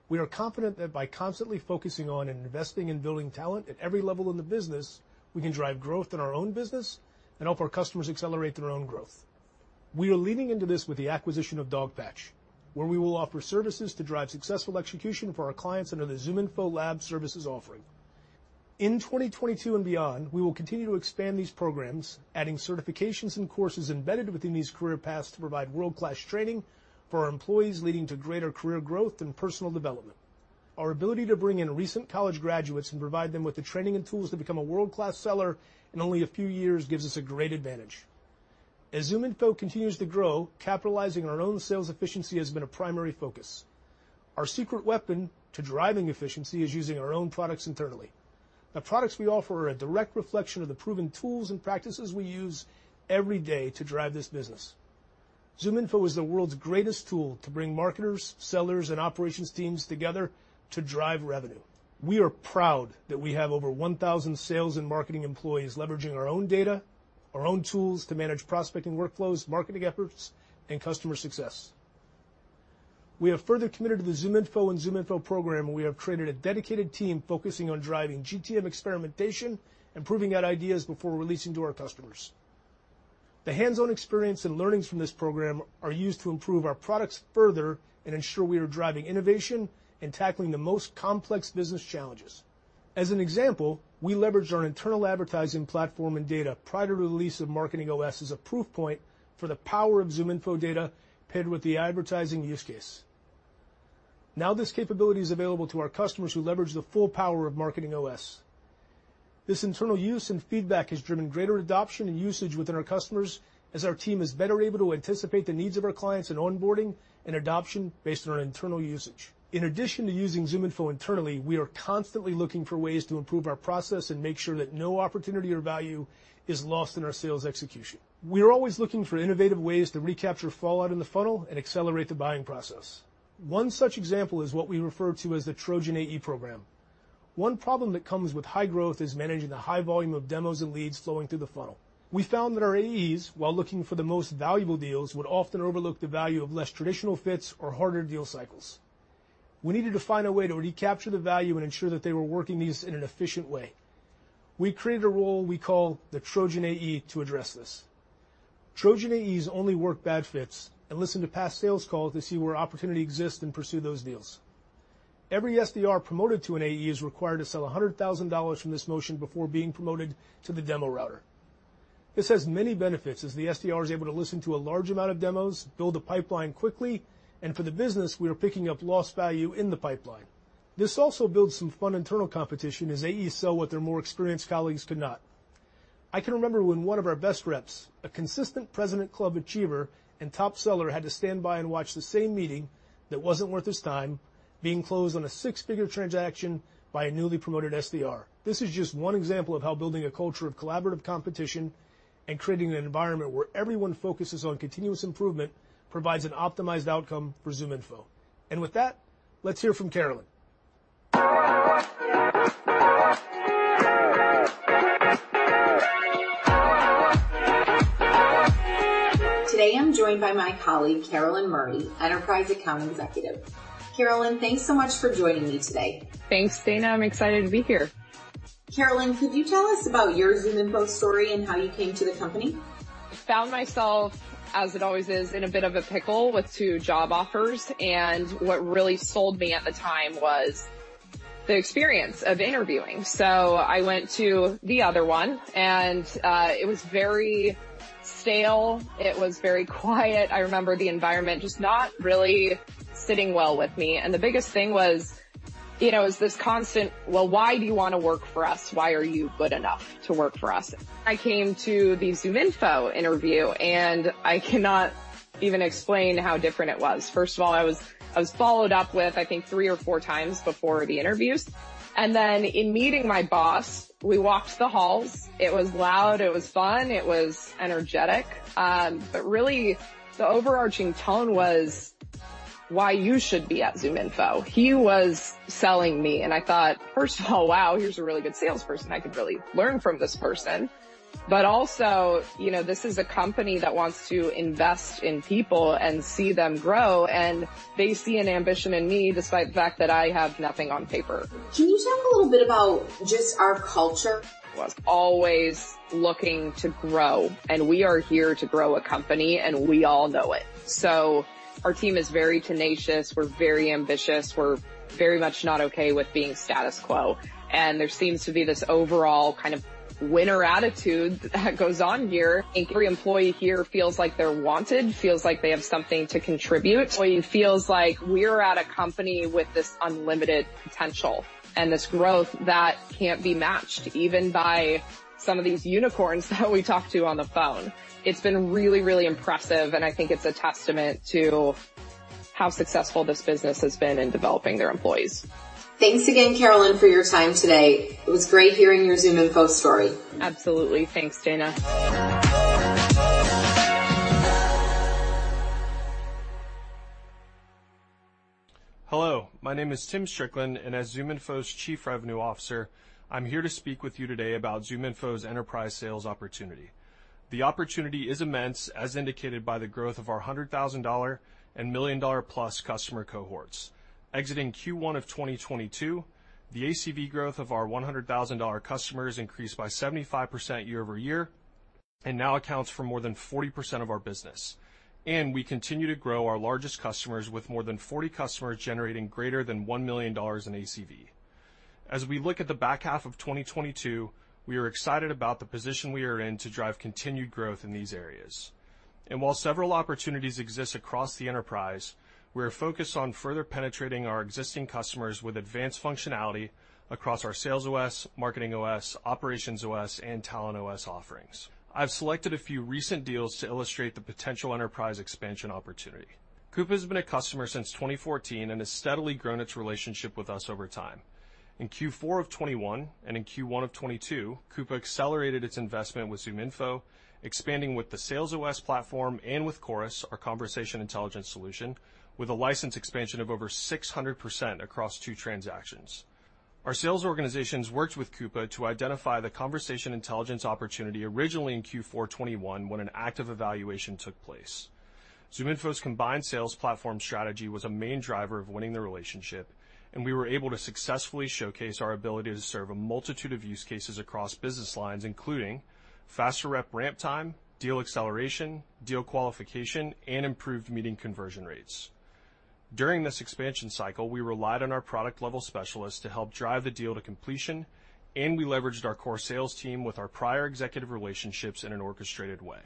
We are confident that by constantly focusing on and investing in building talent at every level in the business, we can drive growth in our own business and help our customers accelerate their own growth. We are leaning into this with the acquisition of Dogpatch, where we will offer services to drive successful execution for our clients under the ZoomInfo Labs services offering. In 2022 and beyond, we will continue to expand these programs, adding certifications and courses embedded within these career paths to provide world-class training for our employees, leading to greater career growth and personal development. Our ability to bring in recent college graduates and provide them with the training and tools to become a world-class seller in only a few years gives us a great advantage. As ZoomInfo continues to grow, capitalizing our own sales efficiency has been a primary focus. Our secret weapon to driving efficiency is using our own products internally. The products we offer are a direct reflection of the proven tools and practices we use every day to drive this business. ZoomInfo is the world's greatest tool to bring marketers, sellers, and operations teams together to drive revenue. We are proud that we have over 1,000 sales and marketing employees leveraging our own data, our own tools to manage prospecting workflows, marketing efforts, and customer success. We have further committed to the ZoomInfo and ZoomInfo program, and we have created a dedicated team focusing on driving GTM experimentation and proving out ideas before releasing to our customers. The hands-on experience and learnings from this program are used to improve our products further and ensure we are driving innovation and tackling the most complex business challenges. As an example, we leveraged our internal advertising platform and data prior to the release of MarketingOS as a proof point for the power of ZoomInfo data paired with the advertising use case. Now this capability is available to our customers who leverage the full power of MarketingOS. This internal use and feedback has driven greater adoption and usage within our customers as our team is better able to anticipate the needs of our clients in onboarding and adoption based on our internal usage. In addition to using ZoomInfo internally, we are constantly looking for ways to improve our process and make sure that no opportunity or value is lost in our sales execution. We are always looking for innovative ways to recapture fallout in the funnel and accelerate the buying process. One such example is what we refer to as the Trojan AE program. One problem that comes with high growth is managing the high volume of demos and leads flowing through the funnel. We found that our AEs, while looking for the most valuable deals, would often overlook the value of less traditional fits or harder deal cycles. We needed to find a way to recapture the value and ensure that they were working these in an efficient way. We created a role we call the Trojan AE to address this. Trojan AEs only work bad fits and listen to past sales calls to see where opportunity exists and pursue those deals. Every SDR promoted to an AE is required to sell $100,000 from this motion before being promoted to the demo router. This has many benefits as the SDR is able to listen to a large amount of demos, build a pipeline quickly, and for the business, we are picking up lost value in the pipeline. This also builds some fun internal competition as AEs sell what their more experienced colleagues could not. I can remember when one of our best reps, a consistent President's Club achiever and top seller, had to stand by and watch the same meeting that wasn't worth his time being closed on a six-figure transaction by a newly promoted SDR. This is just one example of how building a culture of collaborative competition and creating an environment where everyone focuses on continuous improvement provides an optimized outcome for ZoomInfo. With that, let's hear from Carolyn. Today, I'm joined by my colleague, Carolyn Murray, Enterprise Account Executive. Carolyn, thanks so much for joining me today. Thanks, Dana. I'm excited to be here. Carolyn, could you tell us about your ZoomInfo story and how you came to the company? Found myself, as it always is, in a bit of a pickle with two job offers, and what really sold me at the time was the experience of interviewing. I went to the other one, and it was very stale. It was very quiet. I remember the environment just not really sitting well with me. The biggest thing was, you know, is this constant, "Well, why do you wanna work for us? Why are you good enough to work for us?" I came to the ZoomInfo interview, and I cannot even explain how different it was. First of all, I was followed up with, I think, 3 or 4 times before the interviews. Then in meeting my boss, we walked the halls. It was loud. It was fun. It was energetic. But really the overarching tone was why you should be at ZoomInfo. He was selling me, and I thought, first of all, wow, here's a really good salesperson. I could really learn from this person. Also, you know, this is a company that wants to invest in people and see them grow, and they see an ambition in me despite the fact that I have nothing on paper. Can you talk a little bit about just our culture? Always looking to grow, and we are here to grow a company, and we all know it. Our team is very tenacious. We're very ambitious. We're very much not okay with being status quo. There seems to be this overall kind of winner attitude that goes on here. Every employee here feels like they're wanted, feels like they have something to contribute. Feels like we're at a company with this unlimited potential and this growth that can't be matched even by some of these unicorns that we talk to on the phone. It's been really, really impressive, and I think it's a testament to how successful this business has been in developing their employees. Thanks again, Carolyn, for your time today. It was great hearing your ZoomInfo story. Absolutely. Thanks, Dana. Hello, my name is Tim Strickland, and as ZoomInfo's Chief Revenue Officer, I'm here to speak with you today about ZoomInfo's enterprise sales opportunity. The opportunity is immense, as indicated by the growth of our $100,000 and $1 million+ customer cohorts. Exiting Q1 of 2022, the ACV growth of our $100,000 customers increased by 75% year-over-year and now accounts for more than 40% of our business. We continue to grow our largest customers with more than 40 customers generating greater than $1 million in ACV. As we look at the back half of 2022, we are excited about the position we are in to drive continued growth in these areas. While several opportunities exist across the enterprise, we are focused on further penetrating our existing customers with advanced functionality across our SalesOS, MarketingOS, OperationsOS, and TalentOS offerings. I've selected a few recent deals to illustrate the potential enterprise expansion opportunity. Coupa has been a customer since 2014 and has steadily grown its relationship with us over time. In Q4 of 2021, and in Q1 of 2022, Coupa accelerated its investment with ZoomInfo, expanding with the SalesOS platform and with Chorus, our conversation intelligence solution, with a license expansion of over 600% across two transactions. Our sales organizations worked with Coupa to identify the conversation intelligence opportunity originally in Q4 2021 when an active evaluation took place. ZoomInfo's combined sales platform strategy was a main driver of winning the relationship, and we were able to successfully showcase our ability to serve a multitude of use cases across business lines, including faster rep ramp time, deal acceleration, deal qualification, and improved meeting conversion rates. During this expansion cycle, we relied on our product-level specialists to help drive the deal to completion, and we leveraged our core sales team with our prior executive relationships in an orchestrated way.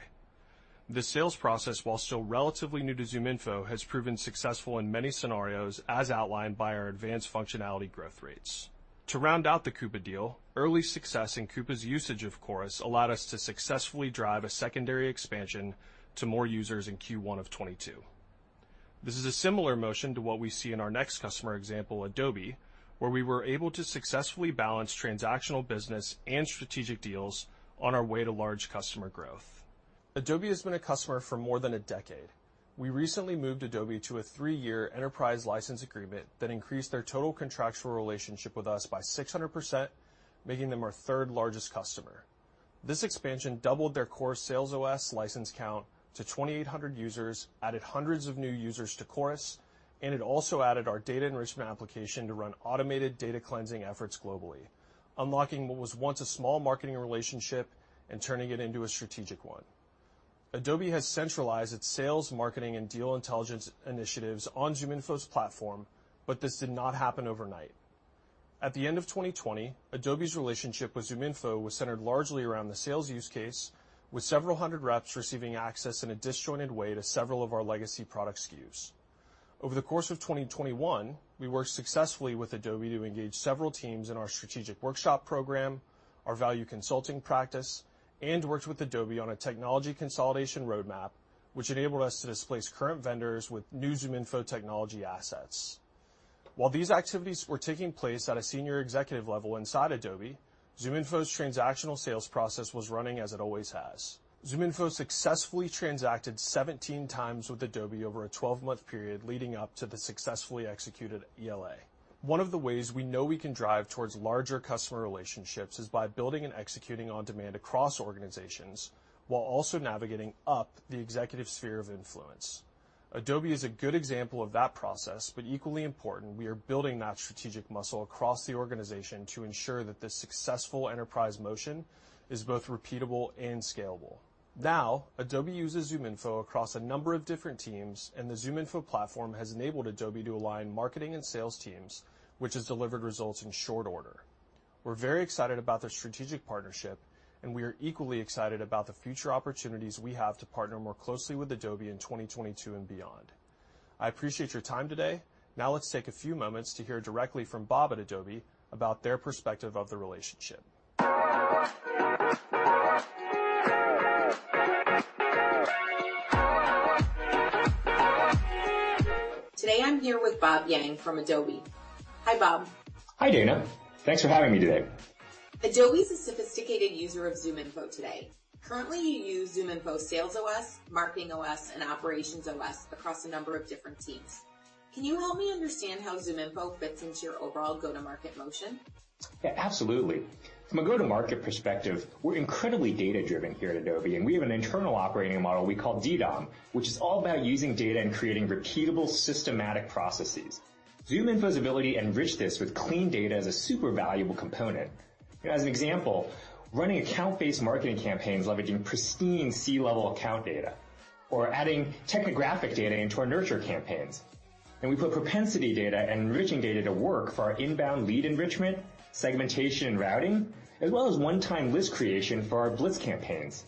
The sales process, while still relatively new to ZoomInfo, has proven successful in many scenarios as outlined by our advanced functionality growth rates. To round out the Coupa deal, early success in Coupa's usage of Chorus allowed us to successfully drive a secondary expansion to more users in Q1 of 2022. This is a similar motion to what we see in our next customer example, Adobe, where we were able to successfully balance transactional business and strategic deals on our way to large customer growth. Adobe has been a customer for more than a decade. We recently moved Adobe to a 3-year enterprise license agreement that increased their total contractual relationship with us by 600%, making them our third-largest customer. This expansion doubled their core Sales OS license count to 2,800 users, added hundreds of new users to Chorus, and it also added our data enrichment application to run automated data cleansing efforts globally, unlocking what was once a small marketing relationship and turning it into a strategic one. Adobe has centralized its sales, marketing, and deal intelligence initiatives on ZoomInfo's platform, but this did not happen overnight. At the end of 2020, Adobe's relationship with ZoomInfo was centered largely around the sales use case, with several hundred reps receiving access in a disjointed way to several of our legacy product SKUs. Over the course of 2021, we worked successfully with Adobe to engage several teams in our strategic workshop program, our value consulting practice, and worked with Adobe on a technology consolidation roadmap, which enabled us to displace current vendors with new ZoomInfo technology assets. While these activities were taking place at a senior executive level inside Adobe, ZoomInfo's transactional sales process was running as it always has. ZoomInfo successfully transacted 17 times with Adobe over a 12-month period leading up to the successfully executed ELA. One of the ways we know we can drive towards larger customer relationships is by building and executing on demand across organizations while also navigating up the executive sphere of influence. Adobe is a good example of that process, but equally important, we are building that strategic muscle across the organization to ensure that the successful enterprise motion is both repeatable and scalable. Now, Adobe uses ZoomInfo across a number of different teams, and the ZoomInfo platform has enabled Adobe to align marketing and sales teams, which has delivered results in short order. We're very excited about their strategic partnership, and we are equally excited about the future opportunities we have to partner more closely with Adobe in 2022 and beyond. I appreciate your time today. Now let's take a few moments to hear directly from Bob at Adobe about their perspective of the relationship. Today, I'm here with Bob Yang from Adobe. Hi, Bob. Hi, Dana. Thanks for having me today. Adobe is a sophisticated user of ZoomInfo today. Currently, you use ZoomInfo Sales OS, Marketing OS, and Operations OS across a number of different teams. Can you help me understand how ZoomInfo fits into your overall go-to-market motion? Yeah, absolutely. From a go-to-market perspective, we're incredibly data-driven here at Adobe, and we have an internal operating model we call DDOM, which is all about using data and creating repeatable, systematic processes. ZoomInfo's ability to enrich this with clean data is a super valuable component. As an example, running account-based marketing campaigns, leveraging pristine C-level account data, or adding technographic data into our nurture campaigns. We put propensity data and enriching data to work for our inbound lead enrichment, segmentation, and routing, as well as one-time list creation for our blitz campaigns.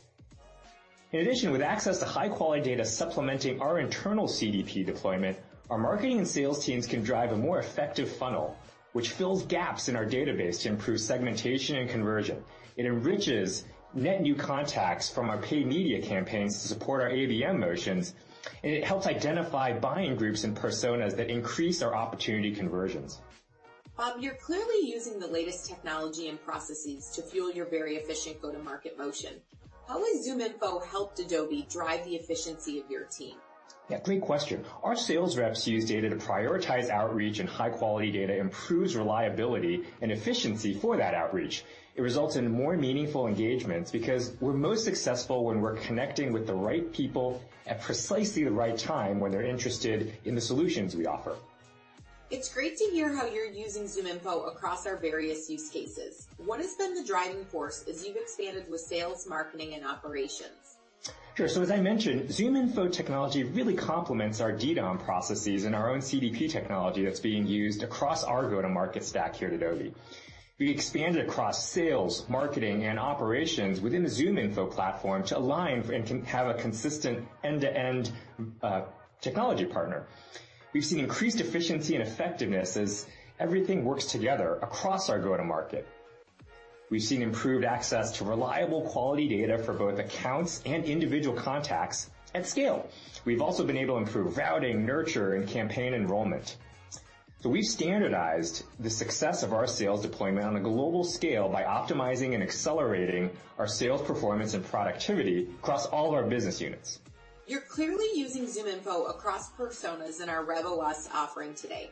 In addition, with access to high-quality data supplementing our internal CDP deployment, our marketing and sales teams can drive a more effective funnel, which fills gaps in our database to improve segmentation and conversion. It enriches net new contacts from our paid media campaigns to support our ABM motions, and it helps identify buying groups and personas that increase our opportunity conversions. Bob, you're clearly using the latest technology and processes to fuel your very efficient go-to-market motion. How has ZoomInfo helped Adobe drive the efficiency of your team? Yeah, great question. Our sales reps use data to prioritize outreach, and high quality data improves reliability and efficiency for that outreach. It results in more meaningful engagements because we're most successful when we're connecting with the right people at precisely the right time when they're interested in the solutions we offer. It's great to hear how you're using ZoomInfo across our various use cases. What has been the driving force as you've expanded with sales, marketing, and operations? Sure. As I mentioned, ZoomInfo technology really complements our DDOM processes and our own CDP technology that's being used across our go-to-market stack here at Adobe. We expanded across sales, marketing, and operations within the ZoomInfo platform to align and have a consistent end-to-end technology partner. We've seen increased efficiency and effectiveness as everything works together across our go-to-market. We've seen improved access to reliable quality data for both accounts and individual contacts at scale. We've also been able to improve routing, nurture, and campaign enrollment. We've standardized the success of our sales deployment on a global scale by optimizing and accelerating our sales performance and productivity across all of our business units. You're clearly using ZoomInfo across personas in our RevOS offering today.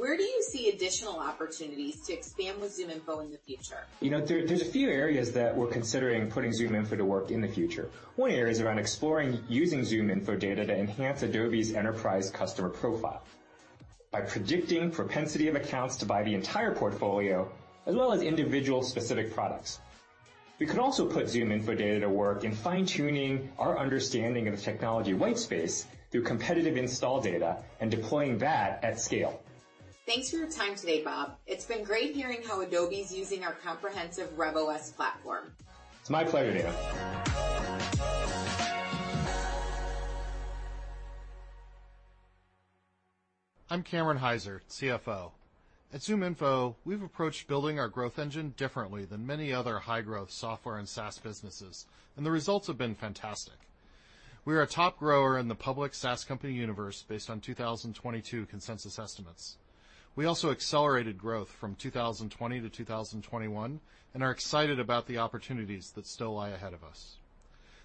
Where do you see additional opportunities to expand with ZoomInfo in the future? You know, there's a few areas that we're considering putting ZoomInfo to work in the future. One area is around exploring using ZoomInfo data to enhance Adobe's enterprise customer profile by predicting propensity of accounts to buy the entire portfolio, as well as individual specific products. We could also put ZoomInfo data to work in fine-tuning our understanding of the technology white space through competitive install data and deploying that at scale. Thanks for your time today, Bob. It's been great hearing how Adobe's using our comprehensive RevOS platform. It's my pleasure, Dana. I'm Cameron Hyzer, CFO. At ZoomInfo, we've approached building our growth engine differently than many other high-growth software and SaaS businesses, and the results have been fantastic. We are a top grower in the public SaaS company universe based on 2022 consensus estimates. We also accelerated growth from 2020 to 2021, and are excited about the opportunities that still lie ahead of us.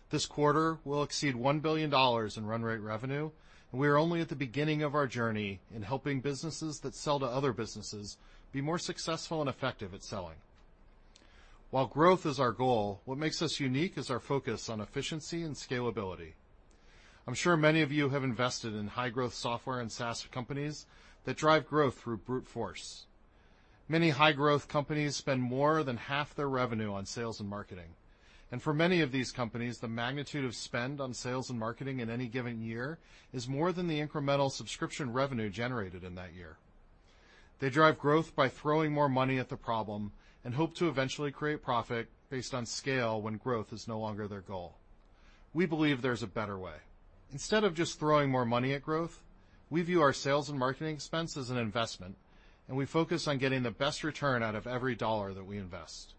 This quarter, we'll exceed $1 billion in run rate revenue, and we are only at the beginning of our journey in helping businesses that sell to other businesses be more successful and effective at selling. While growth is our goal, what makes us unique is our focus on efficiency and scalability. I'm sure many of you have invested in high-growth software and SaaS companies that drive growth through brute force. Many high-growth companies spend more than half their revenue on sales and marketing. For many of these companies, the magnitude of spend on sales and marketing in any given year is more than the incremental subscription revenue generated in that year. They drive growth by throwing more money at the problem and hope to eventually create profit based on scale when growth is no longer their goal. We believe there's a better way. Instead of just throwing more money at growth, we view our sales and marketing expense as an investment, and we focus on getting the best return out of every dollar that we invest.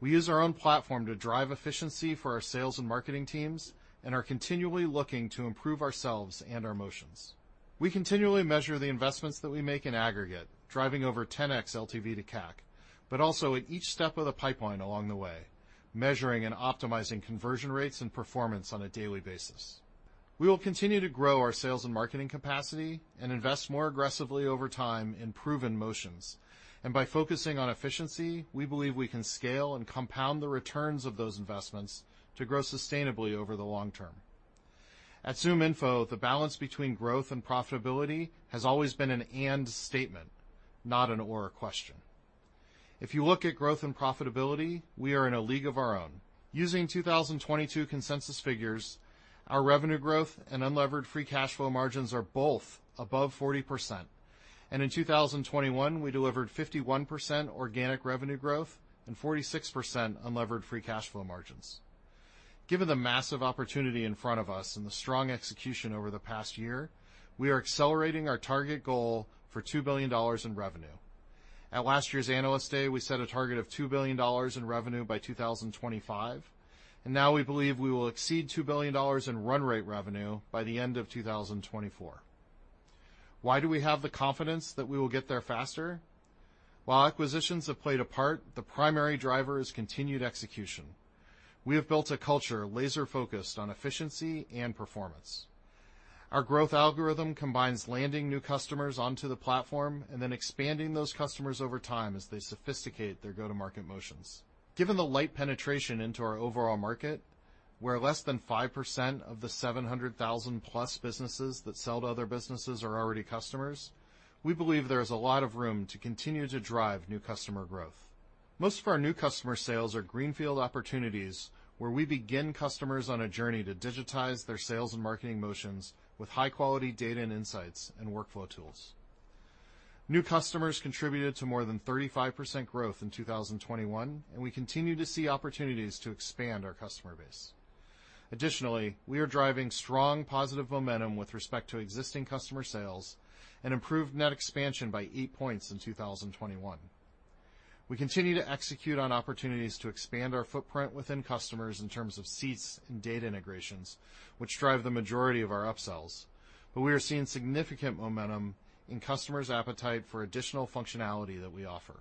We use our own platform to drive efficiency for our sales and marketing teams, and are continually looking to improve ourselves and our motions. We continually measure the investments that we make in aggregate, driving over 10x LTV to CAC, but also at each step of the pipeline along the way, measuring and optimizing conversion rates and performance on a daily basis. We will continue to grow our sales and marketing capacity and invest more aggressively over time in proven motions. By focusing on efficiency, we believe we can scale and compound the returns of those investments to grow sustainably over the long term. At ZoomInfo, the balance between growth and profitability has always been an "and" statement, not an "or" question. If you look at growth and profitability, we are in a league of our own. Using 2022 consensus figures, our revenue growth and unlevered free cash flow margins are both above 40%. In 2021, we delivered 51% organic revenue growth and 46% unlevered free cash flow margins. Given the massive opportunity in front of us and the strong execution over the past year, we are accelerating our target goal for $2 billion in revenue. At last year's Analyst Day, we set a target of $2 billion in revenue by 2025, and now we believe we will exceed $2 billion in run rate revenue by the end of 2024. Why do we have the confidence that we will get there faster? While acquisitions have played a part, the primary driver is continued execution. We have built a culture laser-focused on efficiency and performance. Our growth algorithm combines landing new customers onto the platform and then expanding those customers over time as they sophisticate their go-to-market motions. Given the light penetration into our overall market, where less than 5% of the 700,000-plus businesses that sell to other businesses are already customers, we believe there is a lot of room to continue to drive new customer growth. Most of our new customer sales are greenfield opportunities where we begin customers on a journey to digitize their sales and marketing motions with high-quality data and insights and workflow tools. New customers contributed to more than 35% growth in 2021, and we continue to see opportunities to expand our customer base. Additionally, we are driving strong positive momentum with respect to existing customer sales and improved net expansion by eight points in 2021. We continue to execute on opportunities to expand our footprint within customers in terms of seats and data integrations, which drive the majority of our upsells. We are seeing significant momentum in customers' appetite for additional functionality that we offer.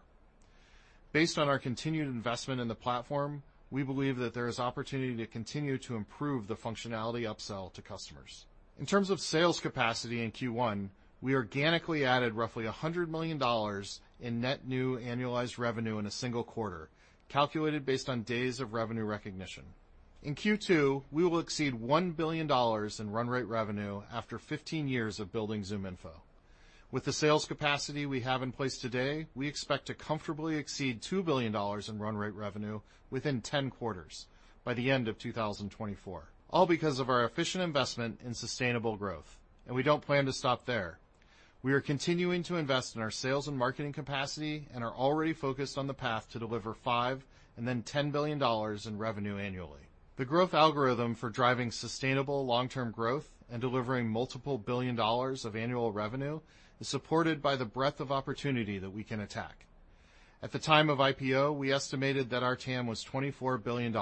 Based on our continued investment in the platform, we believe that there is opportunity to continue to improve the functionality upsell to customers. In terms of sales capacity in Q1, we organically added roughly $100 million in net new annualized revenue in a single quarter, calculated based on days of revenue recognition. In Q2, we will exceed $1 billion in run rate revenue after 15 years of building ZoomInfo. With the sales capacity we have in place today, we expect to comfortably exceed $2 billion in run rate revenue within 10 quarters by the end of 2024, all because of our efficient investment in sustainable growth. We don't plan to stop there. We are continuing to invest in our sales and marketing capacity and are already focused on the path to deliver $5 billion and then $10 billion in revenue annually. The growth algorithm for driving sustainable long-term growth and delivering multiple billion dollars of annual revenue is supported by the breadth of opportunity that we can attack. At the time of IPO, we estimated that our TAM was $24 billion,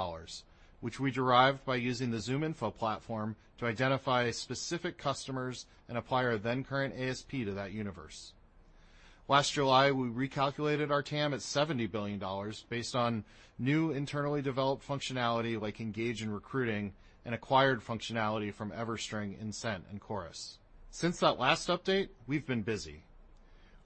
which we derived by using the ZoomInfo platform to identify specific customers and apply our then current ASP to that universe. Last July, we recalculated our TAM at $70 billion based on new internally developed functionality like Engage and Recruiting and acquired functionality from EverString, Insent and Chorus. Since that last update, we've been busy.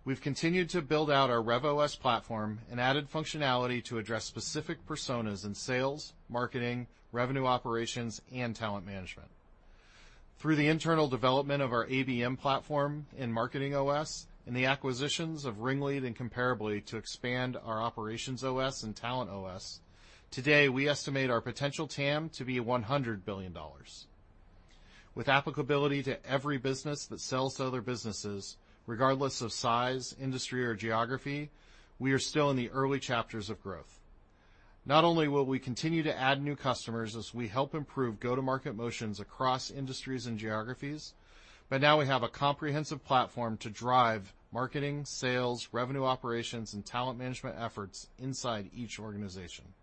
We've continued to build out our RevOS platform and added functionality to address specific personas in sales, marketing, revenue operations, and talent management. Through the internal development of our ABM platform in MarketingOS and the acquisitions of RingLead and Comparably to expand our OperationsOS and TalentOS, today, we estimate our potential TAM to be $100 billion. With applicability to every business that sells to other businesses, regardless of size, industry or geography, we are still in the early chapters of growth. Not only will we continue to add new customers as we help improve go-to-market motions across industries and geographies, but now we have a comprehensive platform to drive marketing, sales, revenue operations, and talent management efforts inside each organization.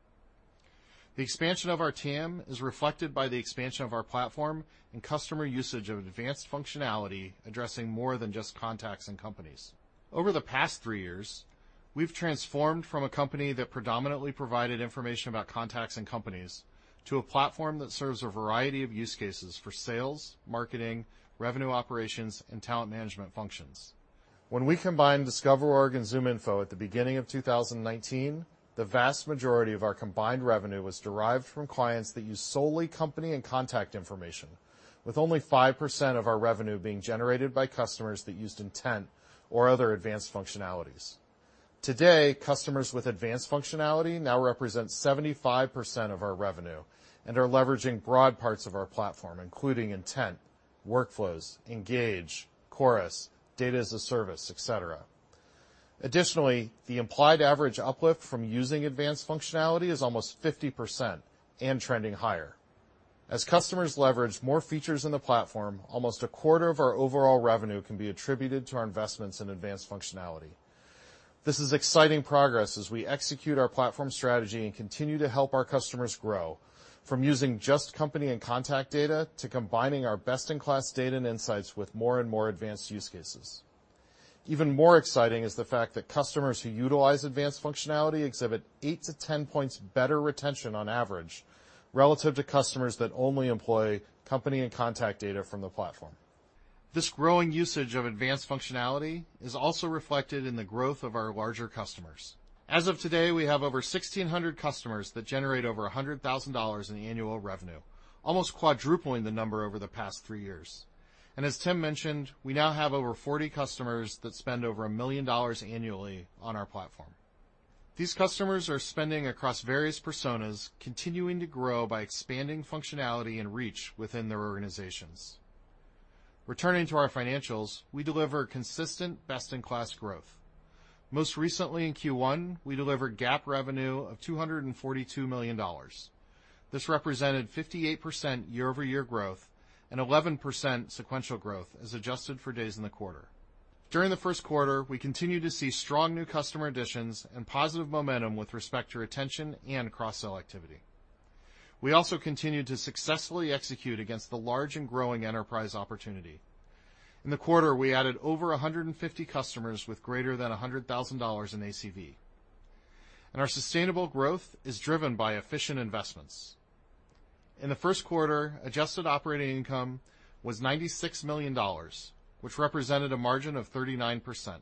The expansion of our TAM is reflected by the expansion of our platform and customer usage of advanced functionality addressing more than just contacts and companies. Over the past three years, we've transformed from a company that predominantly provided information about contacts and companies to a platform that serves a variety of use cases for sales, marketing, revenue operations, and talent management functions. When we combined DiscoverOrg and ZoomInfo at the beginning of 2019, the vast majority of our combined revenue was derived from clients that use solely company and contact information, with only 5% of our revenue being generated by customers that used intent or other advanced functionalities. Today, customers with advanced functionality now represent 75% of our revenue and are leveraging broad parts of our platform, including intent, workflows, Engage, Chorus, data as a service, et cetera. Additionally, the implied average uplift from using advanced functionality is almost 50% and trending higher. As customers leverage more features in the platform, almost a quarter of our overall revenue can be attributed to our investments in advanced functionality. This is exciting progress as we execute our platform strategy and continue to help our customers grow from using just company and contact data to combining our best-in-class data and insights with more and more advanced use cases. Even more exciting is the fact that customers who utilize advanced functionality exhibit 8-10 points better retention on average, relative to customers that only employ company and contact data from the platform. This growing usage of advanced functionality is also reflected in the growth of our larger customers. As of today, we have over 1,600 customers that generate over $100,000 in annual revenue, almost quadrupling the number over the past 3 years. As Tim mentioned, we now have over 40 customers that spend over $1 million annually on our platform. These customers are spending across various personas, continuing to grow by expanding functionality and reach within their organizations. Returning to our financials, we deliver consistent best-in-class growth. Most recently in Q1, we delivered GAAP revenue of $242 million. This represented 58% year-over-year growth and 11% sequential growth as adjusted for days in the quarter. During the first quarter, we continued to see strong new customer additions and positive momentum with respect to retention and cross-sell activity. We also continued to successfully execute against the large and growing enterprise opportunity. In the quarter, we added over 150 customers with greater than $100,000 in ACV. Our sustainable growth is driven by efficient investments. In the first quarter, adjusted operating income was $96 million, which represented a margin of 39%.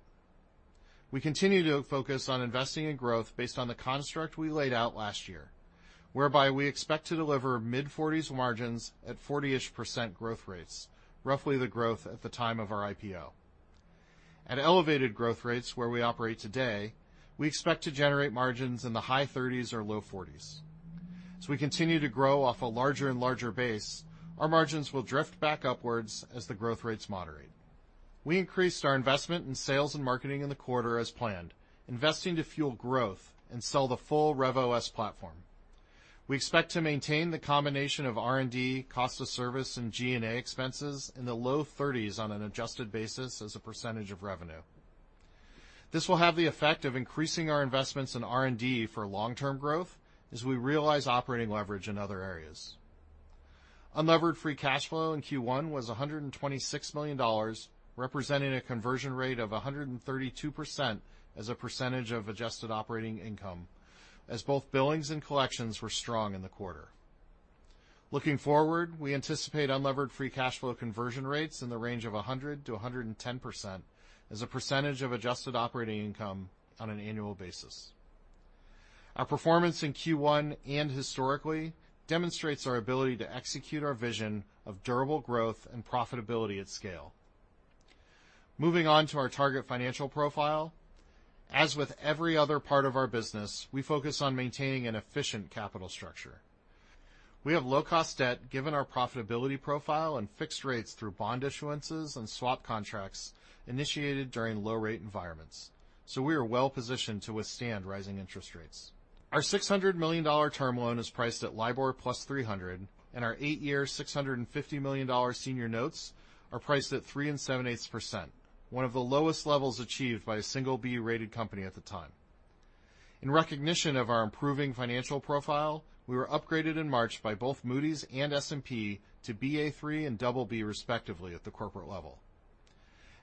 We continue to focus on investing in growth based on the construct we laid out last year, whereby we expect to deliver mid-40s margins at 40-ish% growth rates, roughly the growth at the time of our IPO. At elevated growth rates where we operate today, we expect to generate margins in the high 30s or low 40s. As we continue to grow off a larger and larger base, our margins will drift back upwards as the growth rates moderate. We increased our investment in sales and marketing in the quarter as planned, investing to fuel growth and sell the full RevOS platform. We expect to maintain the combination of R&D, cost of service, and G&A expenses in the low thirties on an adjusted basis as a percentage of revenue. This will have the effect of increasing our investments in R&D for long-term growth as we realize operating leverage in other areas. Unlevered free cash flow in Q1 was $126 million, representing a conversion rate of 132% as a percentage of adjusted operating income, as both billings and collections were strong in the quarter. Looking forward, we anticipate unlevered free cash flow conversion rates in the range of 100%-110% as a percentage of adjusted operating income on an annual basis. Our performance in Q1 and historically demonstrates our ability to execute our vision of durable growth and profitability at scale. Moving on to our target financial profile. As with every other part of our business, we focus on maintaining an efficient capital structure. We have low cost debt given our profitability profile and fixed rates through bond issuances and swap contracts initiated during low rate environments, so we are well-positioned to withstand rising interest rates. Our $600 million term loan is priced at LIBOR plus 300, and our 8-year, $650 million senior notes are priced at 3 7/8%, one of the lowest levels achieved by a single B-rated company at the time. In recognition of our improving financial profile, we were upgraded in March by both Moody's and S&P to Ba3 and BB respectively at the corporate level.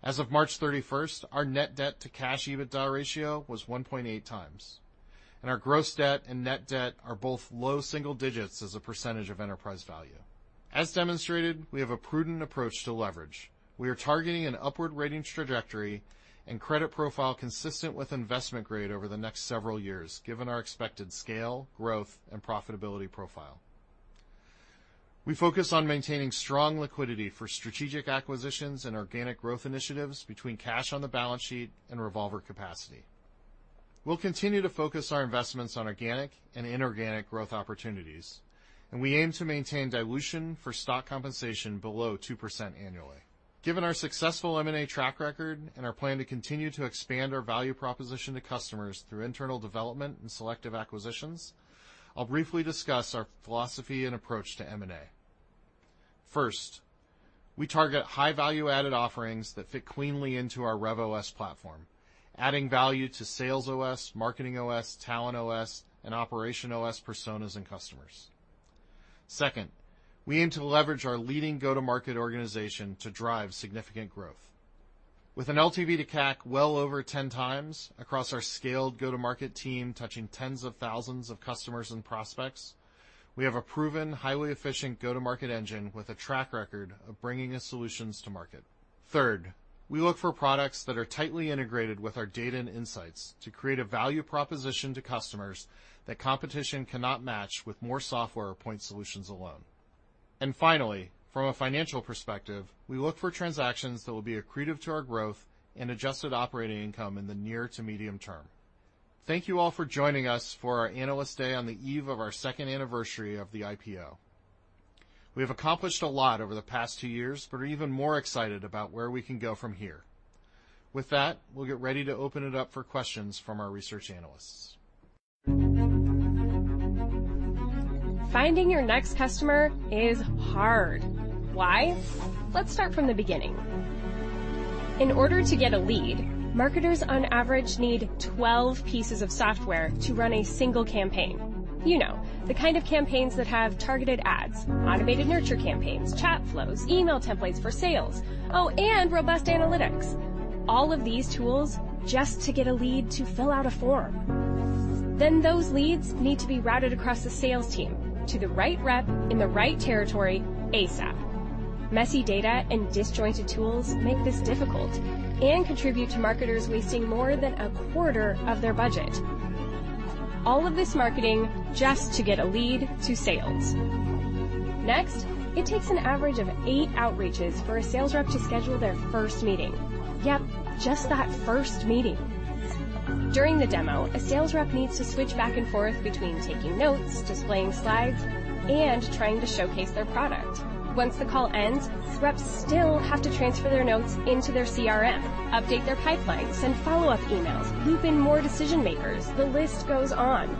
As of March 31, our net debt to cash EBITDA ratio was 1.8x, and our gross debt and net debt are both low single digits as a percentage of enterprise value. As demonstrated, we have a prudent approach to leverage. We are targeting an upward ratings trajectory and credit profile consistent with investment grade over the next several years, given our expected scale, growth, and profitability profile. We focus on maintaining strong liquidity for strategic acquisitions and organic growth initiatives between cash on the balance sheet and revolver capacity. We'll continue to focus our investments on organic and inorganic growth opportunities, and we aim to maintain dilution for stock compensation below 2% annually. Given our successful M&A track record and our plan to continue to expand our value proposition to customers through internal development and selective acquisitions, I'll briefly discuss our philosophy and approach to M&A. First, we target high value-added offerings that fit cleanly into our RevOS platform, adding value to SalesOS, MarketingOS, TalentOS, and OperationsOS personas and customers. Second, we aim to leverage our leading go-to-market organization to drive significant growth. With an LTV to CAC well over 10 times across our scaled go-to-market team touching tens of thousands of customers and prospects, we have a proven, highly efficient go-to-market engine with a track record of bringing in solutions to market. Third, we look for products that are tightly integrated with our data and insights to create a value proposition to customers that competition cannot match with more software point solutions alone. Finally, from a financial perspective, we look for transactions that will be accretive to our growth and adjusted operating income in the near to medium term. Thank you all for joining us for our Analyst Day on the eve of our second anniversary of the IPO. We have accomplished a lot over the past 2 years, but are even more excited about where we can go from here. With that, we'll get ready to open it up for questions from our research analysts. Finding your next customer is hard. Why? Let's start from the beginning. In order to get a lead, marketers on average need 12 pieces of software to run a single campaign. You know, the kind of campaigns that have targeted ads, automated nurture campaigns, chat flows, email templates for sales. Oh, and robust analytics. All of these tools just to get a lead to fill out a form. Those leads need to be routed across the sales team to the right rep in the right territory ASAP. Messy data and disjointed tools make this difficult and contribute to marketers wasting more than a quarter of their budget. All of this marketing just to get a lead to sales. Next, it takes an average of 8 outreaches for a sales rep to schedule their first meeting. Yep, just that first meeting. During the demo, a sales rep needs to switch back and forth between taking notes, displaying slides, and trying to showcase their product. Once the call ends, reps still have to transfer their notes into their CRM, update their pipeline, send follow-up emails, loop in more decision-makers. The list goes on.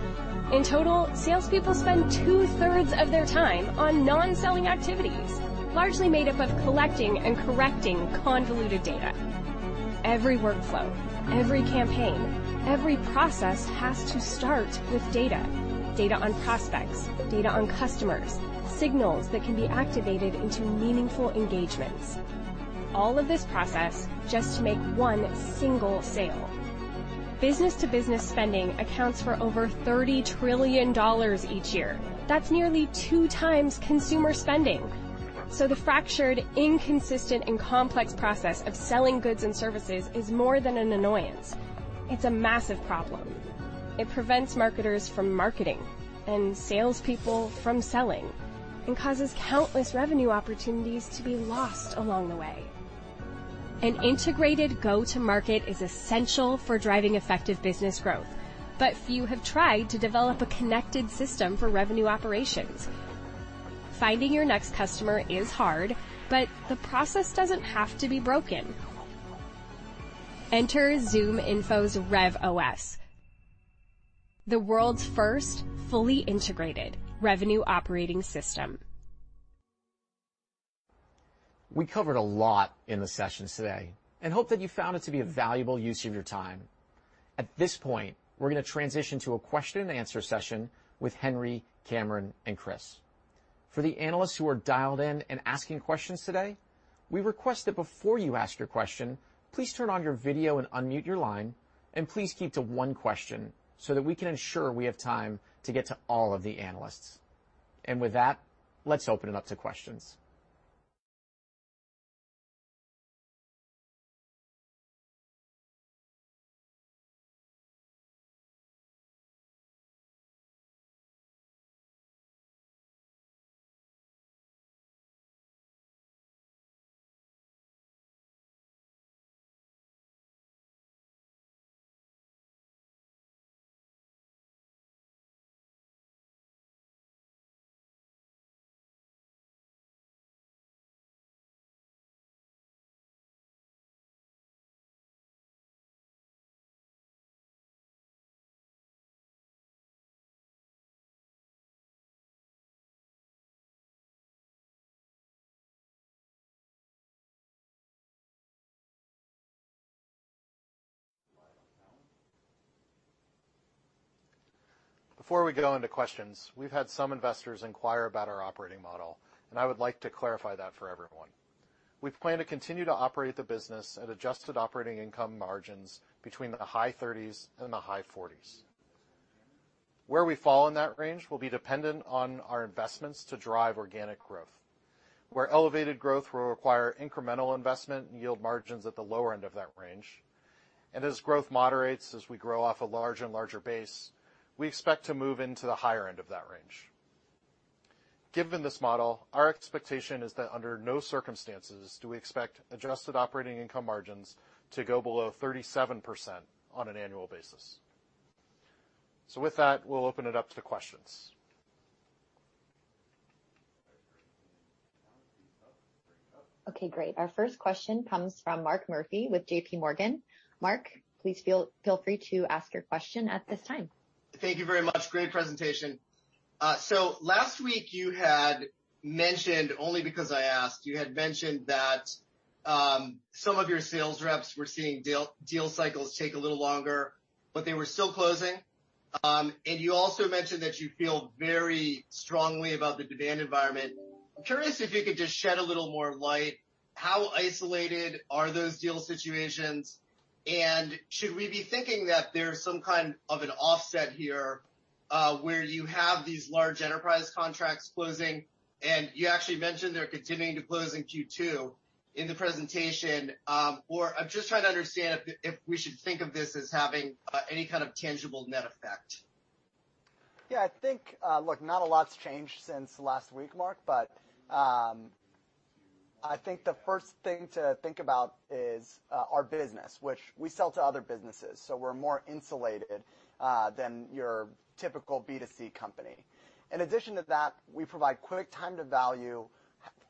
In total, salespeople spend two-thirds of their time on non-selling activities, largely made up of collecting and correcting convoluted data. Every workflow, every campaign, every process has to start with data on prospects, data on customers, signals that can be activated into meaningful engagements. All of this process just to make one single sale. Business-to-business spending accounts for over $30 trillion each year. That's nearly two times consumer spending. The fractured, inconsistent, and complex process of selling goods and services is more than an annoyance. It's a massive problem. It prevents marketers from marketing and salespeople from selling, and causes countless revenue opportunities to be lost along the way. An integrated go-to-market is essential for driving effective business growth, but few have tried to develop a connected system for revenue operations. Finding your next customer is hard, but the process doesn't have to be broken. Enter ZoomInfo's RevOS, the world's first fully integrated revenue operating system. We covered a lot in the sessions today and hope that you found it to be a valuable use of your time. At this point, we're gonna transition to a question and answer session with Henry, Cameron, and Chris. For the analysts who are dialed in and asking questions today, we request that before you ask your question, please turn on your video and unmute your line, and please keep to one question so that we can ensure we have time to get to all of the analysts. With that, let's open it up to questions. Before we go into questions, we've had some investors inquire about our operating model, and I would like to clarify that for everyone. We plan to continue to operate the business at adjusted operating income margins between the high 30s% and the high 40s%. Where we fall in that range will be dependent on our investments to drive organic growth, where elevated growth will require incremental investment and yield margins at the lower end of that range. As growth moderates, as we grow off a larger and larger base, we expect to move into the higher end of that range. Given this model, our expectation is that under no circumstances do we expect adjusted operating income margins to go below 37% on an annual basis. With that, we'll open it up to questions. Okay, great. Our first question comes from Mark Murphy with JPMorgan. Mark, please feel free to ask your question at this time. Thank you very much. Great presentation. Last week you had mentioned, only because I asked, you had mentioned that some of your sales reps were seeing deal cycles take a little longer, but they were still closing. You also mentioned that you feel very strongly about the demand environment. I'm curious if you could just shed a little more light. How isolated are those deal situations? Should we be thinking that there's some kind of an offset here, where you have these large enterprise contracts closing, and you actually mentioned they're continuing to close in Q2 in the presentation. Or I'm just trying to understand if we should think of this as having any kind of tangible net effect. Yeah, I think, look, not a lot's changed since last week, Mark, but I think the first thing to think about is our business, which we sell to other businesses, so we're more insulated than your typical B2C company. In addition to that, we provide quick time to value,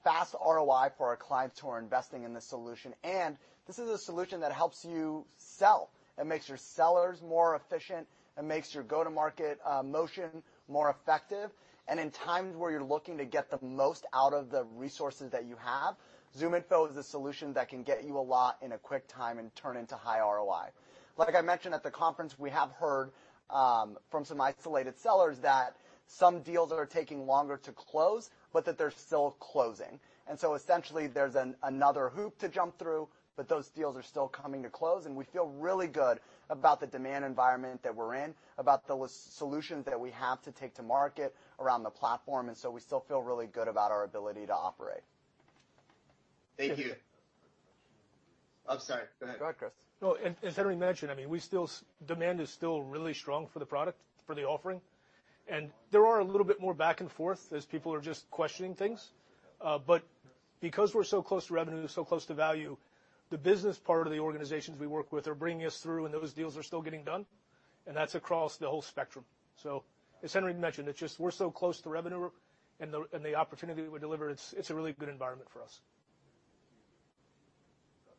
fast ROI for our clients who are investing in this solution. This is a solution that helps you sell. It makes your sellers more efficient. It makes your go-to-market motion more effective. In times where you're looking to get the most out of the resources that you have, ZoomInfo is a solution that can get you a lot in a quick time and turn into high ROI. Like I mentioned at the conference, we have heard from some isolated sellers that some deals are taking longer to close, but that they're still closing. Essentially, there's another hoop to jump through, but those deals are still coming to close, and we feel really good about the demand environment that we're in, about the solutions that we have to take to market around the platform, and so we still feel really good about our ability to operate. Thank you. I'm sorry, go ahead. Go ahead, Chris. No, as Henry mentioned, I mean, we still see demand is still really strong for the product, for the offering. There are a little bit more back and forth as people are just questioning things. Because we're so close to revenue, so close to value, the business part of the organizations we work with are bringing us through, and those deals are still getting done, and that's across the whole spectrum. As Henry mentioned, it's just we're so close to revenue and the opportunity that we deliver, it's a really good environment for us.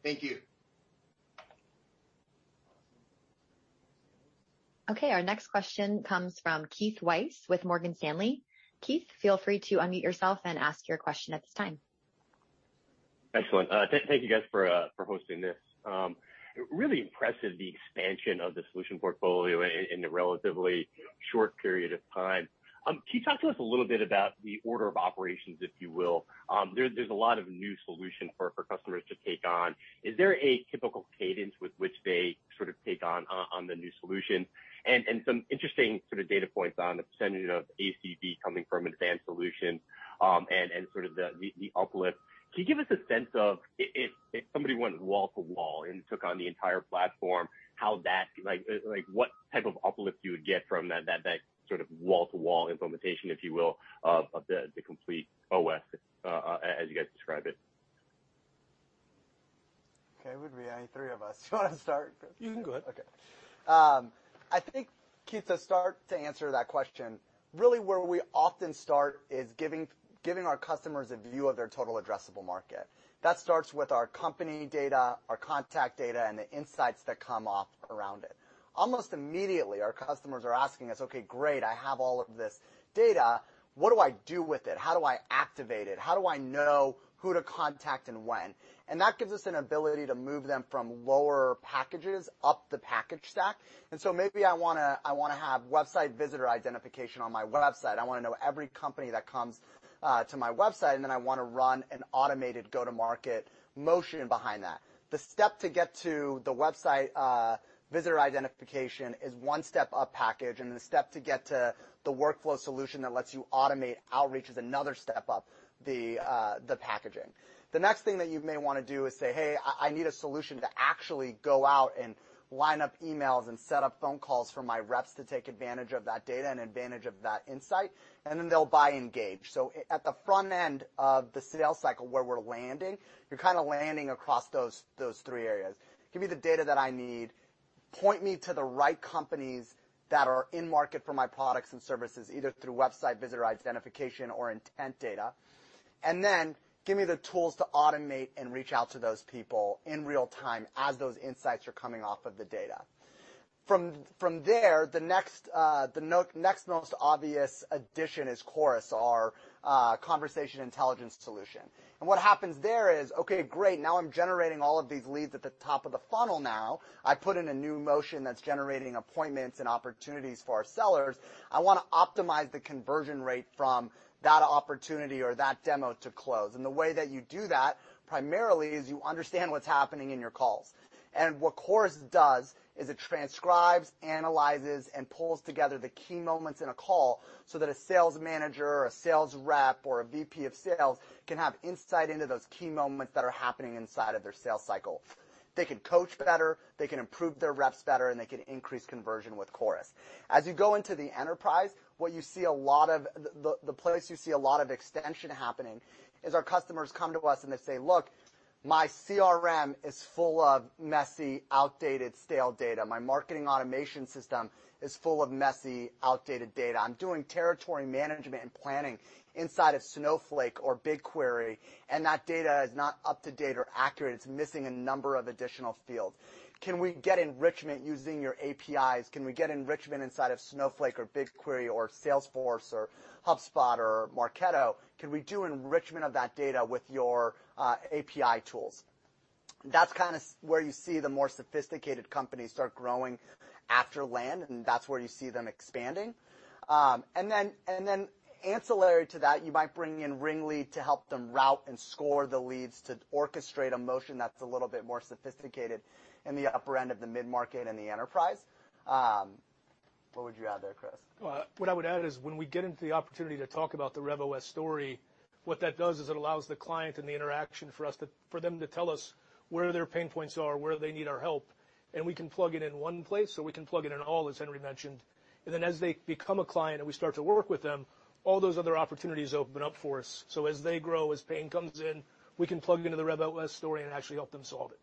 Thank you. Okay. Our next question comes from Keith Weiss with Morgan Stanley. Keith, feel free to unmute yourself and ask your question at this time. Excellent. Thank you guys for hosting this. Really impressive the expansion of the solution portfolio in a relatively short period of time. Can you talk to us a little bit about the order of operations, if you will? There's a lot of new solution for customers to take on. Is there a typical cadence with which they sort of take on the new solution? Some interesting sort of data points on the percentage of ACV coming from advanced solutions, and sort of the uplift. Can you give us a sense of if somebody went wall to wall and took on the entire platform, how that. Like what type of uplift you would get from that sort of wall-to-wall implementation, if you will, of the complete OS, as you guys describe it? Okay. It would be any three of us. Do you wanna start, Chris? You can go ahead. Okay. I think, Keith, to start to answer that question, really where we often start is giving our customers a view of their total addressable market. That starts with our company data, our contact data, and the insights that come off around it. Almost immediately, our customers are asking us, "Okay, great, I have all of this data. What do I do with it? How do I activate it? How do I know who to contact and when?" That gives us an ability to move them from lower packages up the package stack. Maybe I wanna have website visitor identification on my website. I wanna know every company that comes to my website, and then I wanna run an automated go-to-market motion behind that. The step to get to the website visitor identification is one step up package, and the step to get to the workflow solution that lets you automate outreach is another step up the packaging. The next thing that you may want to do is say, "Hey, I need a solution to actually go out and line up emails and set up phone calls for my reps to take advantage of that data and advantage of that insight," and then they'll buy Engage. At the front end of the sales cycle where we're landing, you're kinda landing across those three areas. Give me the data that I need, point me to the right companies that are in market for my products and services, either through website visitor identification or intent data, and then give me the tools to automate and reach out to those people in real time as those insights are coming off of the data. From there, the next most obvious addition is Chorus, our conversation intelligence solution. What happens there is, okay, great, now I'm generating all of these leads at the top of the funnel now, I put in a new motion that's generating appointments and opportunities for our sellers, I wanna optimize the conversion rate from that opportunity or that demo to close. The way that you do that primarily is you understand what's happening in your calls. What Chorus does is it transcribes, analyzes, and pulls together the key moments in a call so that a sales manager or a sales rep or a VP of sales can have insight into those key moments that are happening inside of their sales cycle. They can coach better, they can improve their reps better, and they can increase conversion with Chorus. As you go into the enterprise, the place you see a lot of extension happening is our customers come to us and they say, "Look, my CRM is full of messy, outdated, stale data. My marketing automation system is full of messy, outdated data. I'm doing territory management and planning inside of Snowflake or BigQuery, and that data is not up to date or accurate. It's missing a number of additional fields. Can we get enrichment using your APIs? Can we get enrichment inside of Snowflake, or BigQuery, or Salesforce or HubSpot or Marketo? Can we do enrichment of that data with your API tools?" That's kinda where you see the more sophisticated companies start growing after land, and that's where you see them expanding. And then ancillary to that, you might bring in RingLead to help them route and score the leads to orchestrate a motion that's a little bit more sophisticated in the upper end of the mid-market and the enterprise. What would you add there, Chris? Well, what I would add is when we get into the opportunity to talk about the RevOS story, what that does is it allows the client in the interaction for them to tell us where their pain points are, where they need our help, and we can plug it in one place, or we can plug it in all, as Henry mentioned. Then as they become a client, and we start to work with them, all those other opportunities open up for us. As they grow, as pain comes in, we can plug into the RevOS story and actually help them solve it.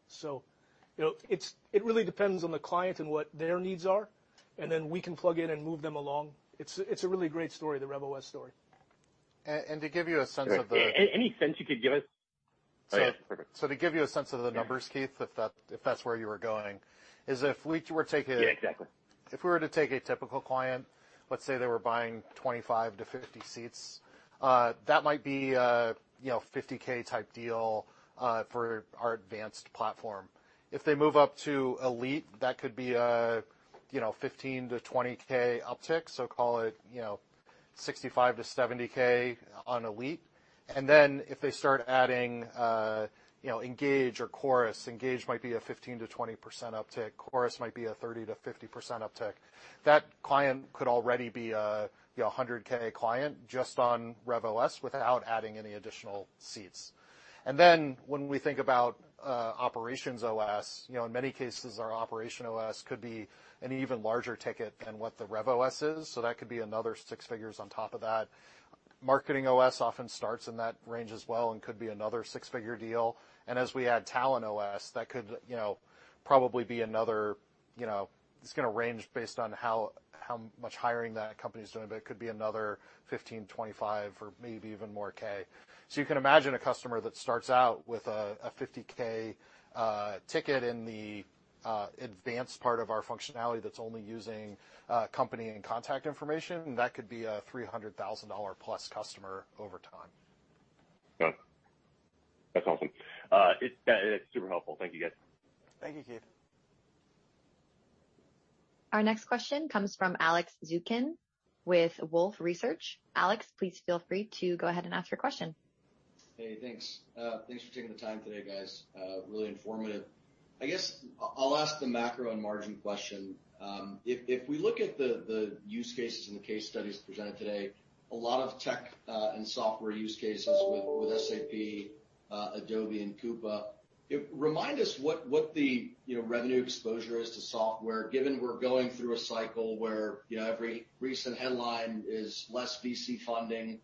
You know, it's. It really depends on the client and what their needs are, and then we can plug in and move them along. It's a really great story, the RevOS story. To give you a sense of the. Any sense you could give us? So- Sorry. To give you a sense of the numbers, Keith, if that's where you were going, if we were taking- Yeah, exactly. If we were to take a typical client, let's say they were buying 25 to 50 seats, that might be a, you know, $50K type deal, for our advanced platform. If they move up to Elite, that could be a, you know, $15K-$20K uptick, so call it, you know, $65K-$70K on Elite. If they start adding, you know, Engage or Chorus, Engage might be a 15%-20% uptick, Chorus might be a 30%-50% uptick. That client could already be a, you know, a $100K client just on RevOS without adding any additional seats. When we think about, OperationsOS, you know, in many cases our OperationsOS could be an even larger ticket than what the RevOS is, so that could be another six figures on top of that. MarketingOS often starts in that range as well and could be another six-figure deal. As we add TalentOS, that could, you know, probably be another. You know, it's gonna range based on how much hiring that company is doing, but it could be another $15K-$25K or maybe even more. You can imagine a customer that starts out with a $50K ticket in the advanced part of our functionality that's only using company and contact information, that could be a $300,000+ customer over time. Yeah. That's awesome. That is super helpful. Thank you, guys. Thank you, Keith. Our next question comes from Alex Zukin with Wolfe Research. Alex, please feel free to go ahead and ask your question. Hey, thanks. Thanks for taking the time today, guys. Really informative. I guess I'll ask the macro and margin question. If we look at the use cases and the case studies presented today, a lot of tech and software use cases with SAP, Adobe and Coupa. Remind us what the, you know, revenue exposure is to software, given we're going through a cycle where, you know, every recent headline is less VC funding,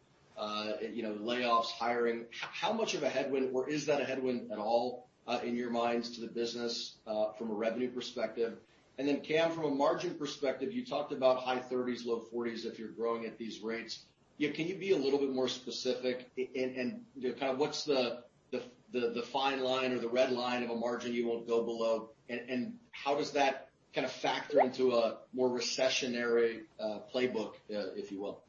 you know, layoffs, hiring. How much of a headwind, or is that a headwind at all, in your minds to the business, from a revenue perspective? Then, Cam, from a margin perspective, you talked about high 30s%, low 40s% if you're growing at these rates. You know, can you be a little bit more specific, and, you know, kind of what's the fine line or the red line of a margin you won't go below? How does that kinda factor into a more recessionary playbook, if you will?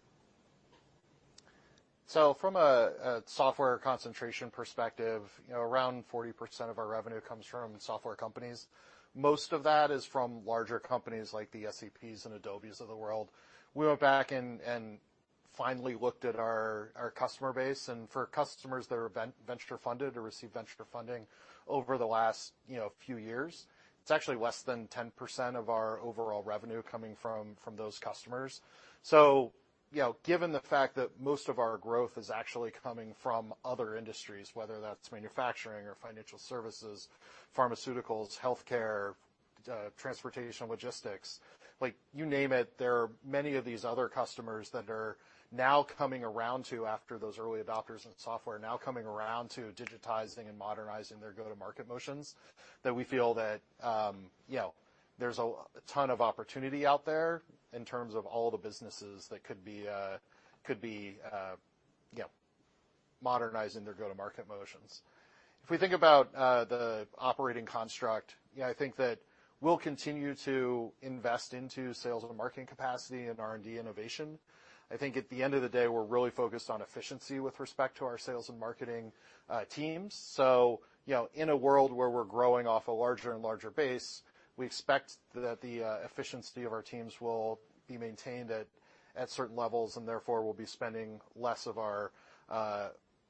From a software concentration perspective, you know, around 40% of our revenue comes from software companies. Most of that is from larger companies like the SAPs and Adobes of the world. We went back and finally looked at our customer base, and for customers that are venture funded or received venture funding over the last, you know, few years, it's actually less than 10% of our overall revenue coming from those customers. You know, given the fact that most of our growth is actually coming from other industries, whether that's manufacturing or financial services, pharmaceuticals, healthcare, transportation, logistics. Like, you name it, there are many of these other customers that are now coming around to after those early adopters in software, now coming around to digitizing and modernizing their go-to-market motions, that we feel that, you know, there's a ton of opportunity out there in terms of all the businesses that could be, you know, modernizing their go-to-market motions. If we think about the operating construct, yeah, I think that we'll continue to invest into sales and marketing capacity and R&D innovation. I think at the end of the day, we're really focused on efficiency with respect to our sales and marketing teams. You know, in a world where we're growing off a larger and larger base, we expect that the efficiency of our teams will be maintained at certain levels, and therefore, we'll be spending less of our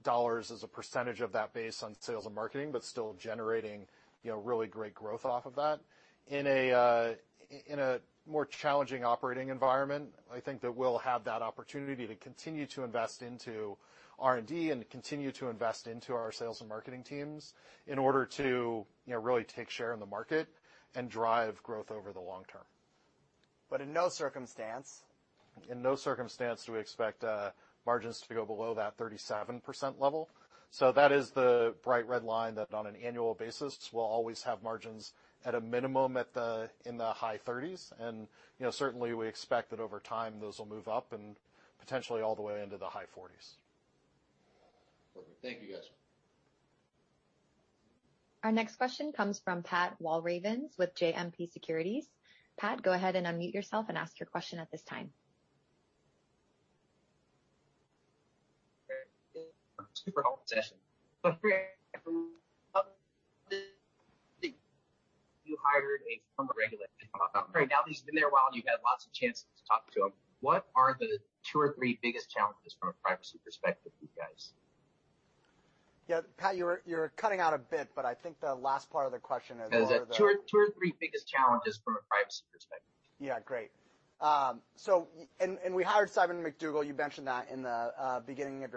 dollars as a percentage of that base on sales and marketing, but still generating, you know, really great growth off of that. In a more challenging operating environment, I think that we'll have that opportunity to continue to invest into R&D and to continue to invest into our sales and marketing teams in order to, you know, really take share in the market and drive growth over the long term. In no circumstance. In no circumstance do we expect margins to go below that 37% level. That is the bright red line that on an annual basis, we'll always have margins at a minimum at the, in the high 30s. You know, certainly we expect that over time, those will move up and potentially all the way into the high 40s. Perfect. Thank you, guys. Our next question comes from Pat Walravens with JMP Securities. Pat, go ahead and unmute yourself and ask your question at this time. You hired a regulator. Right now, he's been there a while, and you've had lots of chances to talk to him. What are the two or three biggest challenges from a privacy perspective for you guys? Yeah. Pat, you were cutting out a bit, but I think the last part of the question is. Is the two or three biggest challenges from a privacy perspective? Yeah, great. So we hired Simon McDougall, you mentioned that in the beginning of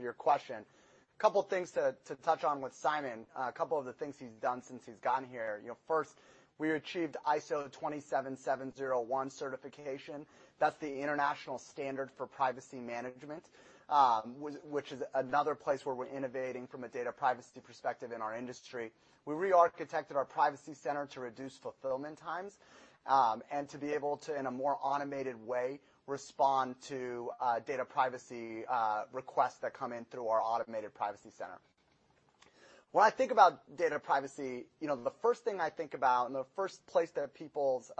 your question. A couple of things to touch on with Simon, a couple of the things he's done since he's gotten here. You know, first, we achieved ISO 27701 certification. That's the international standard for privacy management, which is another place where we're innovating from a data privacy perspective in our industry. We rearchitected our privacy center to reduce fulfillment times, and to be able to, in a more automated way, respond to data privacy requests that come in through our automated privacy center. When I think about data privacy, you know, the first thing I think about, and the first place that people's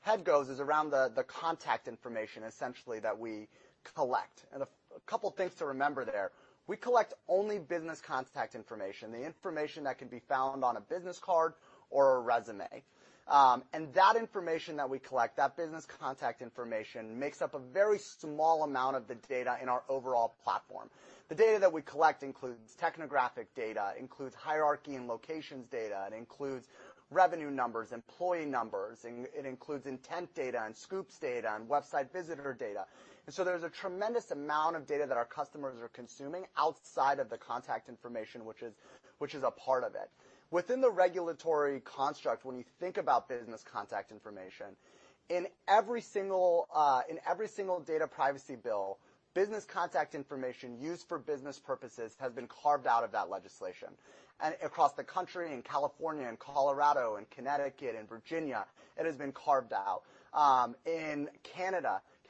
head goes is around the contact information, essentially, that we collect. A couple things to remember there. We collect only business contact information, the information that can be found on a business card or a resume. That information that we collect, that business contact information, makes up a very small amount of the data in our overall platform. The data that we collect includes technographic data, includes hierarchy and locations data, it includes revenue numbers, employee numbers, includes intent data and Scoops data and website visitor data. There's a tremendous amount of data that our customers are consuming outside of the contact information, which is a part of it. Within the regulatory construct, when you think about business contact information, in every single data privacy bill, business contact information used for business purposes has been carved out of that legislation. Across the country, in California, in Colorado, in Connecticut, in Virginia, it has been carved out. In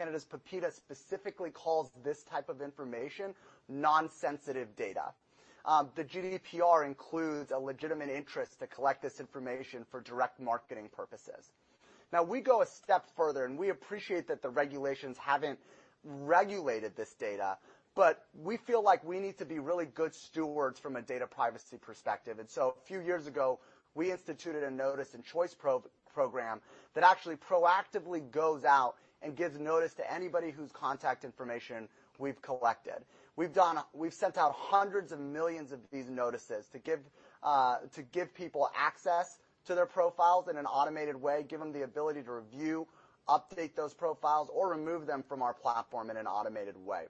Canada's PIPEDA specifically calls this type of information non-sensitive data. The GDPR includes a legitimate interest to collect this information for direct marketing purposes. Now, we go a step further, and we appreciate that the regulations haven't regulated this data, but we feel like we need to be really good stewards from a data privacy perspective. A few years ago, we instituted a notice and choice program that actually proactively goes out and gives notice to anybody whose contact information we've collected. We've sent out hundreds of millions of these notices to give people access to their profiles in an automated way, give them the ability to review, update those profiles, or remove them from our platform in an automated way.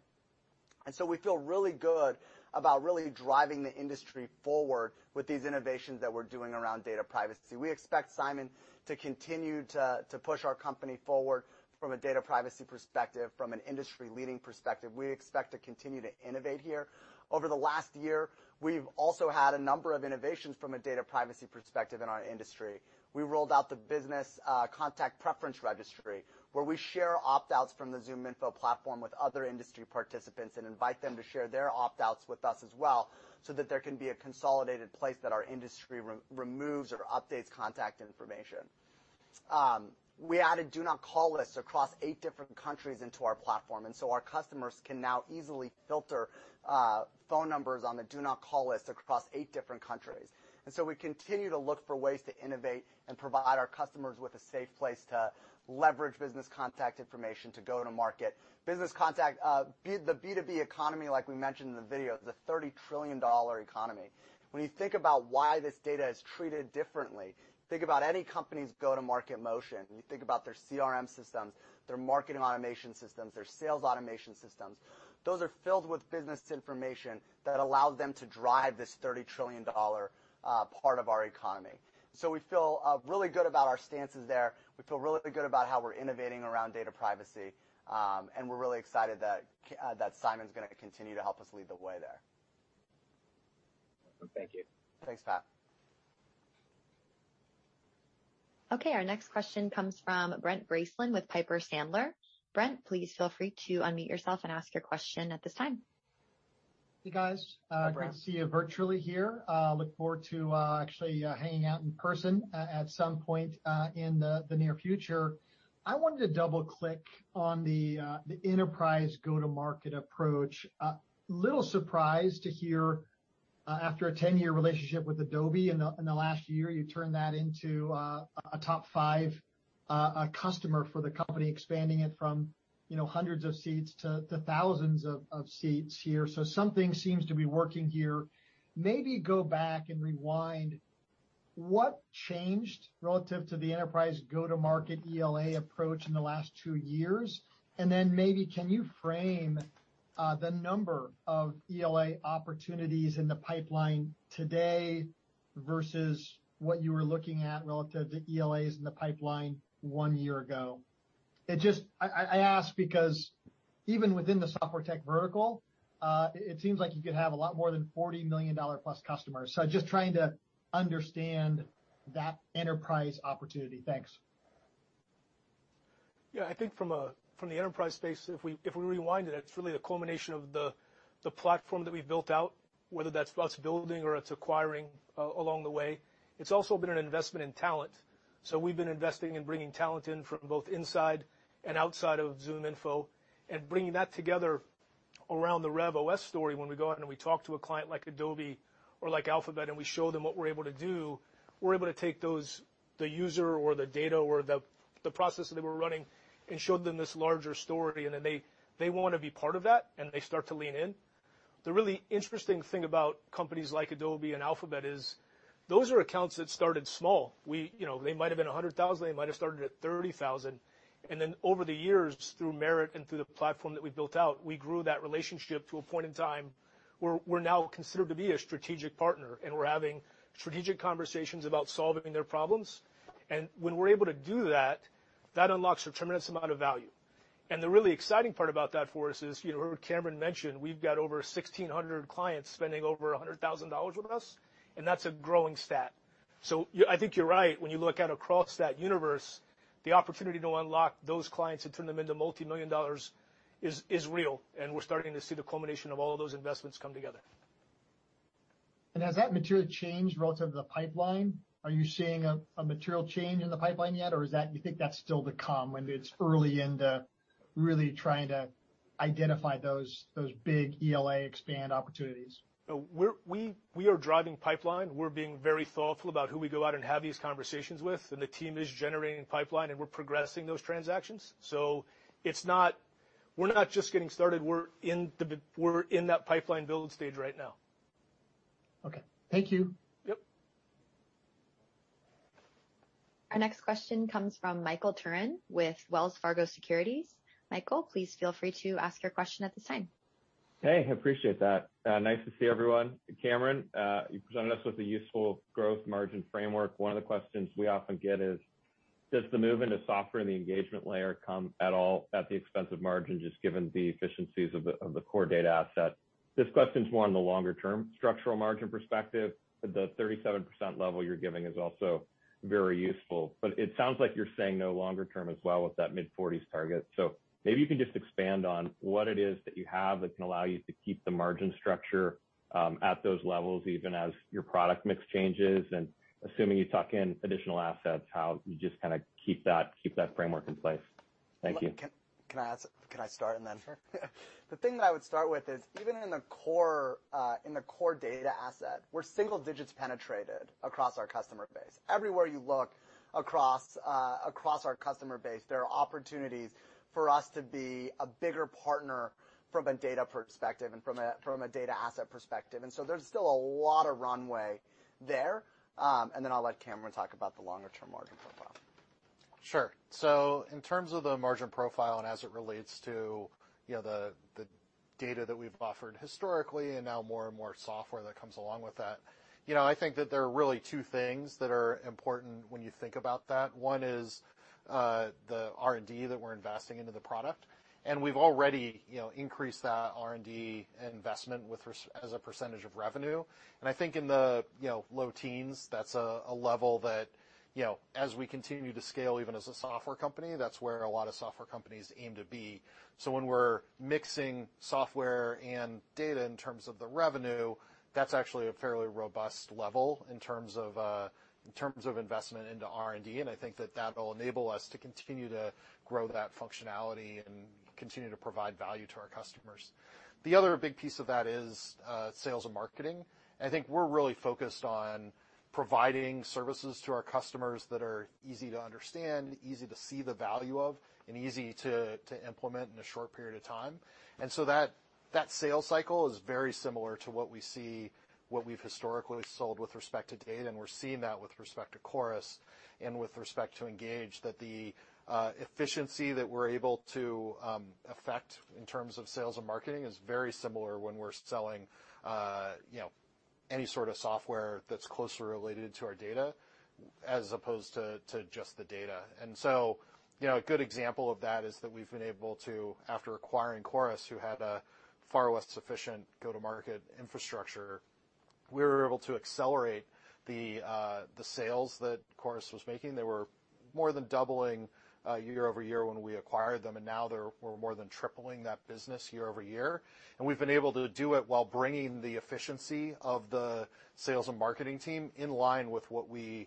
We feel really good about really driving the industry forward with these innovations that we're doing around data privacy. We expect Simon to continue to push our company forward from a data privacy perspective, from an industry leading perspective. We expect to continue to innovate here. Over the last year, we've also had a number of innovations from a data privacy perspective in our industry. We rolled out the Business Contact Preference Registry, where we share opt-outs from the ZoomInfo platform with other industry participants and invite them to share their opt-outs with us as well, so that there can be a consolidated place that our industry removes or updates contact information. We added do not call lists across eight different countries into our platform, and so our customers can now easily filter phone numbers on the do not call list across eight different countries. We continue to look for ways to innovate and provide our customers with a safe place to leverage business contact information to go to market. Business contact, the B2B economy, like we mentioned in the video, is a $30 trillion economy. When you think about why this data is treated differently, think about any company's go-to-market motion. When you think about their CRM systems, their marketing automation systems, their sales automation systems, those are filled with business information that allow them to drive this $30 trillion part of our economy. We feel really good about our stances there. We feel really good about how we're innovating around data privacy. We're really excited that Simon is gonna continue to help us lead the way there. Thank you. Thanks, Pat. Okay. Our next question comes from Brent Bracelin with Piper Sandler. Brent, please feel free to unmute yourself and ask your question at this time. Hey, guys. Hi, Brent. Great to see you virtually here. Look forward to actually hanging out in person at some point in the near future. I wanted to double-click on the enterprise go-to-market approach. A little surprised to hear after a 10-year relationship with Adobe in the last year, you turned that into a top 5 customer for the company, expanding it from, you know, hundreds of seats to thousands of seats here. Something seems to be working here. Maybe go back and rewind. What changed relative to the enterprise go-to-market ELA approach in the last 2 years? Then maybe can you frame the number of ELA opportunities in the pipeline today versus what you were looking at relative to ELAs in the pipeline 1 year ago? I ask because even within the software tech vertical, it seems like you could have a lot more than $40 million-plus customers. Just trying to understand that enterprise opportunity. Thanks. Yeah. I think from the enterprise space, if we rewind it's really the culmination of the platform that we've built out, whether that's us building or it's acquiring along the way. It's also been an investment in talent. So we've been investing in bringing talent in from both inside and outside of ZoomInfo and bringing that together around the RevOS story. When we go out and we talk to a client like Adobe or like Alphabet, and we show them what we're able to do, we're able to take the user or the data or the process that they were running and show them this larger story, and then they wanna be part of that, and they start to lean in. The really interesting thing about companies like Adobe and Alphabet is those are accounts that started small. You know, they might have been $100,000, they might have started at $30,000, and then over the years, through merit and through the platform that we built out, we grew that relationship to a point in time where we're now considered to be a strategic partner, and we're having strategic conversations about solving their problems. When we're able to do that unlocks a tremendous amount of value. The really exciting part about that for us is, you know, Cameron mentioned, we've got over 1,600 clients spending over $100,000 with us, and that's a growing stat. I think you're right. When you look out across that universe, the opportunity to unlock those clients and turn them into multimillion dollars is real, and we're starting to see the culmination of all of those investments come together. Has that material changed relative to the pipeline? Are you seeing a material change in the pipeline yet, or do you think that's still to come, and it's early innings, really trying to identify those big ELA expand opportunities? No. We're driving pipeline. We're being very thoughtful about who we go out and have these conversations with, and the team is generating pipeline, and we're progressing those transactions. It's not just getting started, we're in that pipeline build stage right now. Okay. Thank you. Yep. Our next question comes from Michael Turrin with Wells Fargo Securities. Michael, please feel free to ask your question at this time. Hey, I appreciate that. Nice to see everyone. Cameron, you presented us with a useful growth margin framework. One of the questions we often get is, does the move into software and the engagement layer come at all at the expense of margins, just given the efficiencies of the core data asset? This question's more on the longer-term structural margin perspective. The 37% level you're giving is also very useful. It sounds like you're saying no longer term as well with that mid-40s target. Maybe you can just expand on what it is that you have that can allow you to keep the margin structure at those levels, even as your product mix changes, and assuming you tuck in additional assets, how you kinda keep that framework in place. Thank you. Can I start and then- Sure. The thing that I would start with is even in the core data asset, we're single digits penetrated across our customer base. Everywhere you look across our customer base, there are opportunities for us to be a bigger partner from a data perspective and from a data asset perspective. There's still a lot of runway there. I'll let Cameron talk about the longer-term margin profile. Sure. In terms of the margin profile and as it relates to, you know, the. Data that we've offered historically and now more and more software that comes along with that. You know, I think that there are really two things that are important when you think about that. One is the R&D that we're investing into the product, and we've already, you know, increased that R&D investment as a percentage of revenue. I think in the, you know, low teens, that's a level that, you know, as we continue to scale, even as a software company, that's where a lot of software companies aim to be. When we're mixing software and data in terms of the revenue, that's actually a fairly robust level in terms of investment into R&D, and I think that that'll enable us to continue to grow that functionality and continue to provide value to our customers. The other big piece of that is, sales and marketing. I think we're really focused on providing services to our customers that are easy to understand, easy to see the value of, and easy to implement in a short period of time. That sales cycle is very similar to what we see, what we've historically sold with respect to data, and we're seeing that with respect to Chorus and with respect to Engage, that the efficiency that we're able to affect in terms of sales and marketing is very similar when we're selling, you know, any sort of software that's closely related to our data as opposed to just the data. You know, a good example of that is that we've been able to, after acquiring Chorus, who had a far less sufficient go-to-market infrastructure, we were able to accelerate the the sales that Chorus was making. They were more than doubling year over year when we acquired them, and now we're more than tripling that business year over year. We've been able to do it while bringing the efficiency of the sales and marketing team in line with what we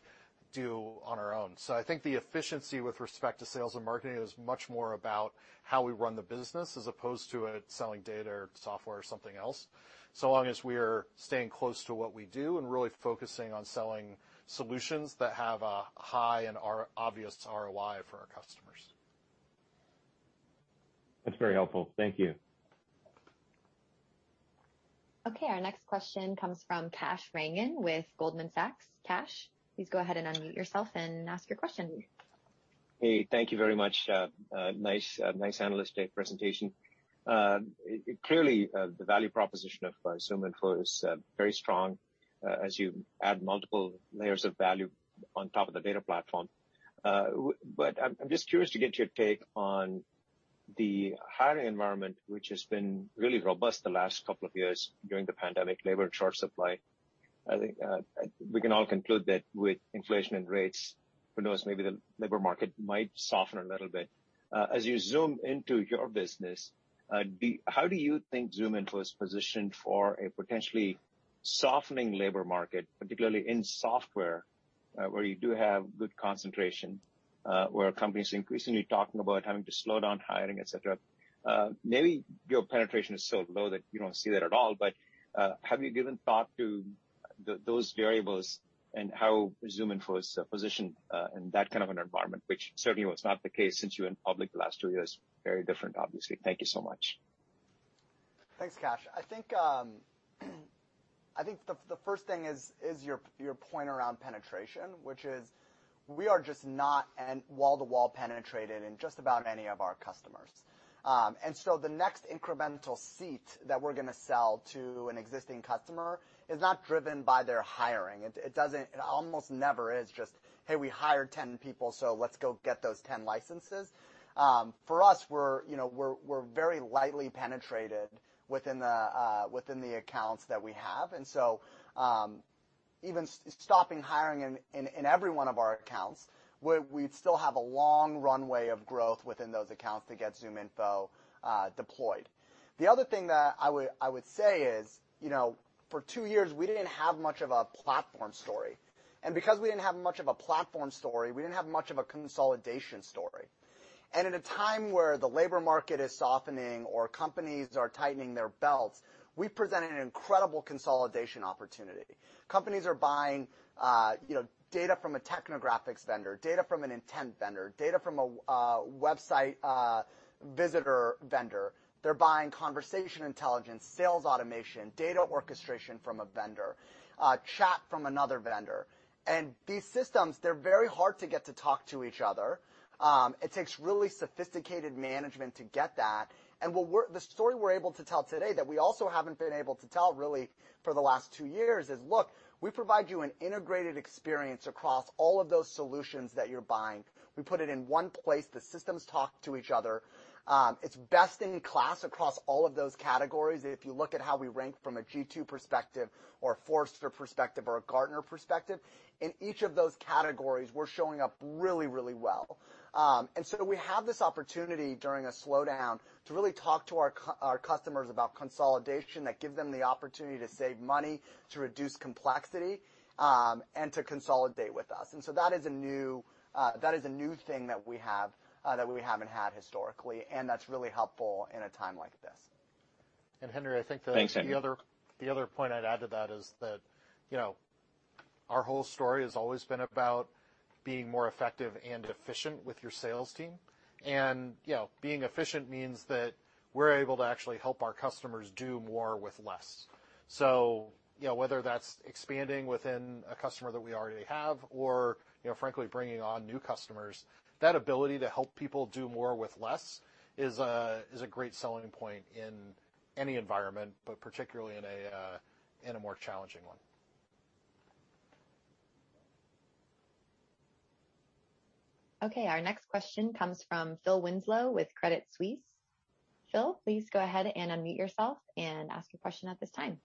do on our own. I think the efficiency with respect to sales and marketing is much more about how we run the business as opposed to it selling data or software or something else, so long as we're staying close to what we do and really focusing on selling solutions that have a high and obvious ROI for our customers. That's very helpful. Thank you. Okay, our next question comes from Kash Rangan with Goldman Sachs. Kash, please go ahead and unmute yourself and ask your question. Hey, thank you very much. Nice analyst day presentation. Clearly, the value proposition of ZoomInfo is very strong, as you add multiple layers of value on top of the data platform. I'm just curious to get your take on the hiring environment, which has been really robust the last couple of years during the pandemic labor short supply. I think we can all conclude that with inflation and rates, who knows, maybe the labor market might soften a little bit. As you zoom into your business, how do you think ZoomInfo is positioned for a potentially softening labor market, particularly in software, where you do have good concentration, where companies are increasingly talking about having to slow down hiring, et cetera. Maybe your penetration is so low that you don't see that at all, but have you given thought to those variables and how ZoomInfo is positioned in that kind of an environment, which certainly was not the case since you went public the last two years, very different, obviously. Thank you so much. Thanks, Kash. I think the first thing is your point around penetration, which is we are just not wall-to-wall penetrated in just about any of our customers. The next incremental seat that we're gonna sell to an existing customer is not driven by their hiring. It almost never is just, "Hey, we hired 10 people, so let's go get those 10 licenses." For us, you know, we're very lightly penetrated within the accounts that we have. Even stopping hiring in every one of our accounts, we'd still have a long runway of growth within those accounts to get ZoomInfo deployed. The other thing that I would say is, you know, for 2 years, we didn't have much of a platform story. Because we didn't have much of a platform story, we didn't have much of a consolidation story. In a time where the labor market is softening or companies are tightening their belts, we present an incredible consolidation opportunity. Companies are buying, you know, data from a technographics vendor, data from an intent vendor, data from a website visitor vendor. They're buying conversation intelligence, sales automation, data orchestration from a vendor, chat from another vendor. These systems, they're very hard to get to talk to each other. It takes really sophisticated management to get that. The story we're able to tell today that we also haven't been able to tell really for the last two years is, look, we provide you an integrated experience across all of those solutions that you're buying. We put it in one place. The systems talk to each other. It's best in class across all of those categories. If you look at how we rank from a G2 perspective or a Forrester perspective or a Gartner perspective, in each of those categories, we're showing up really, really well. We have this opportunity during a slowdown to really talk to our customers about consolidation that gives them the opportunity to save money, to reduce complexity, and to consolidate with us. That is a new thing that we have, that we haven't had historically, and that's really helpful in a time like this. Henry, I think Thanks, Henry. The other point I'd add to that is that, you know, our whole story has always been about being more effective and efficient with your sales team. You know, being efficient means that we're able to actually help our customers do more with less. You know, whether that's expanding within a customer that we already have or, you know, frankly, bringing on new customers, that ability to help people do more with less is a great selling point in any environment, but particularly in a more challenging one. Okay. Our next question comes from Phil Winslow with Credit Suisse. Phil, please go ahead and unmute yourself and ask your question at this time.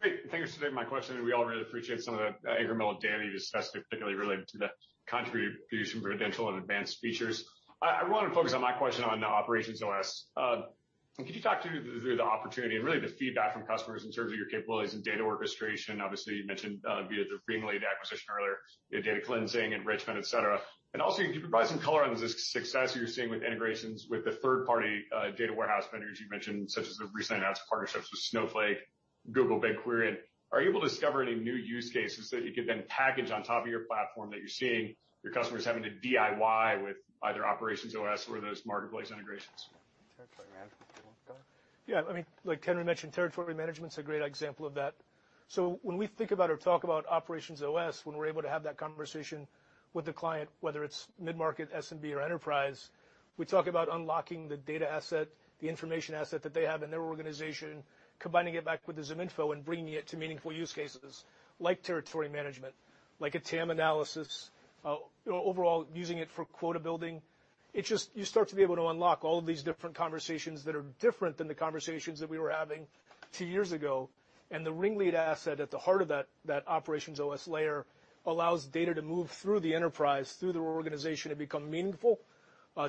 Great. Thanks for taking my question. We all really appreciate some of the incremental data you discussed, particularly related to the contribution credential and advanced features. I wanna focus on my question on the Operations OS. Can you talk through the opportunity and really the feedback from customers in terms of your capabilities in data orchestration? Obviously, you mentioned via the RingLead acquisition earlier, you know, data cleansing, enrichment, et cetera. Can you provide some color on the success you're seeing with integrations with the third-party data warehouse vendors you mentioned, such as the recent announced partnerships with Snowflake, Google BigQuery? Are you able to discover any new use cases that you could then package on top of your platform that you're seeing your customers having to DIY with either Operations OS or those marketplace integrations? Territory management. You wanna go? Yeah. I mean, like Cameron mentioned, territory management's a great example of that. When we think about or talk about OperationsOS, when we're able to have that conversation with the client, whether it's mid-market, SMB, or enterprise, we talk about unlocking the data asset, the information asset that they have in their organization, combining it back with the ZoomInfo and bringing it to meaningful use cases like territory management, like a TAM analysis, you know, overall using it for quota building. It's just you start to be able to unlock all of these different conversations that are different than the conversations that we were having two years ago. The RingLead asset at the heart of that OperationsOS layer allows data to move through the enterprise, through the organization, and become meaningful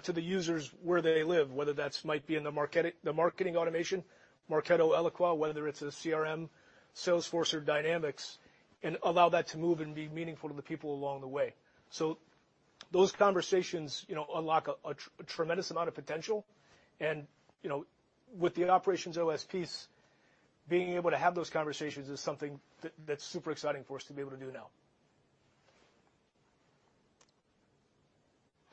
to the users where they live, whether that might be in the marketing automation, Marketo, Eloqua, whether it's a CRM, Salesforce or Dynamics, and allow that to move and be meaningful to the people along the way. Those conversations, you know, unlock a tremendous amount of potential. You know, with the OperationsOS piece, being able to have those conversations is something that's super exciting for us to be able to do now.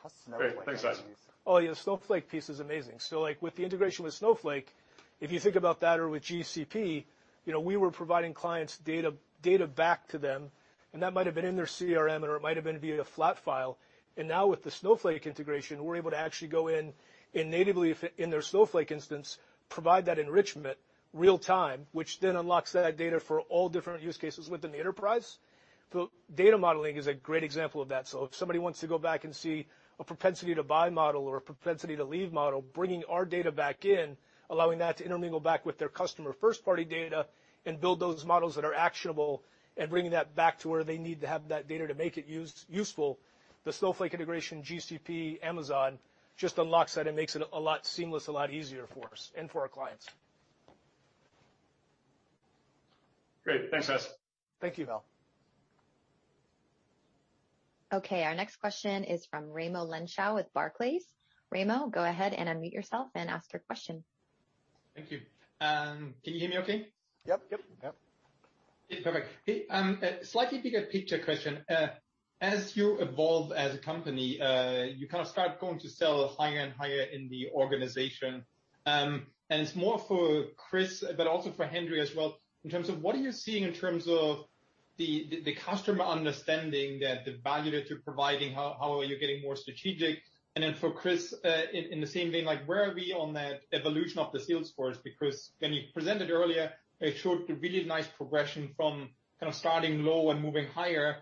How's Snowflake piece? Great. Thanks, guys. Oh, yeah. Snowflake piece is amazing. Like, with the integration with Snowflake, if you think about that or with GCP, you know, we were providing clients data back to them, and that might have been in their CRM, or it might have been via a flat file. Now with the Snowflake integration, we're able to actually go in and natively in their Snowflake instance, provide that enrichment real-time, which then unlocks that data for all different use cases within the enterprise. Data modeling is a great example of that. If somebody wants to go back and see a propensity to buy model or a propensity to leave model, bringing our data back in, allowing that to intermingle back with their customer first-party data and build those models that are actionable and bringing that back to where they need to have that data to make it useful. The Snowflake integration, GCP, Amazon, just unlocks that and makes it a lot more seamless, a lot easier for us and for our clients. Great. Thanks, guys. Thank you, Phil. Okay. Our next question is from Raimo Lenschow with Barclays. Raimo, go ahead and unmute yourself and ask your question. Thank you. Can you hear me okay? Yep. Yep. Yep. Yeah. Perfect. Hey, a slightly bigger picture question. As you evolve as a company, you kind of start going to sell higher and higher in the organization. It's more for Chris but also for Henry as well, in terms of what are you seeing in terms of the customer understanding the value that you're providing, how are you getting more strategic? For Chris, in the same vein, like, where are we on that evolution of the sales force? Because when you presented earlier, it showed a really nice progression from kind of starting low and moving higher.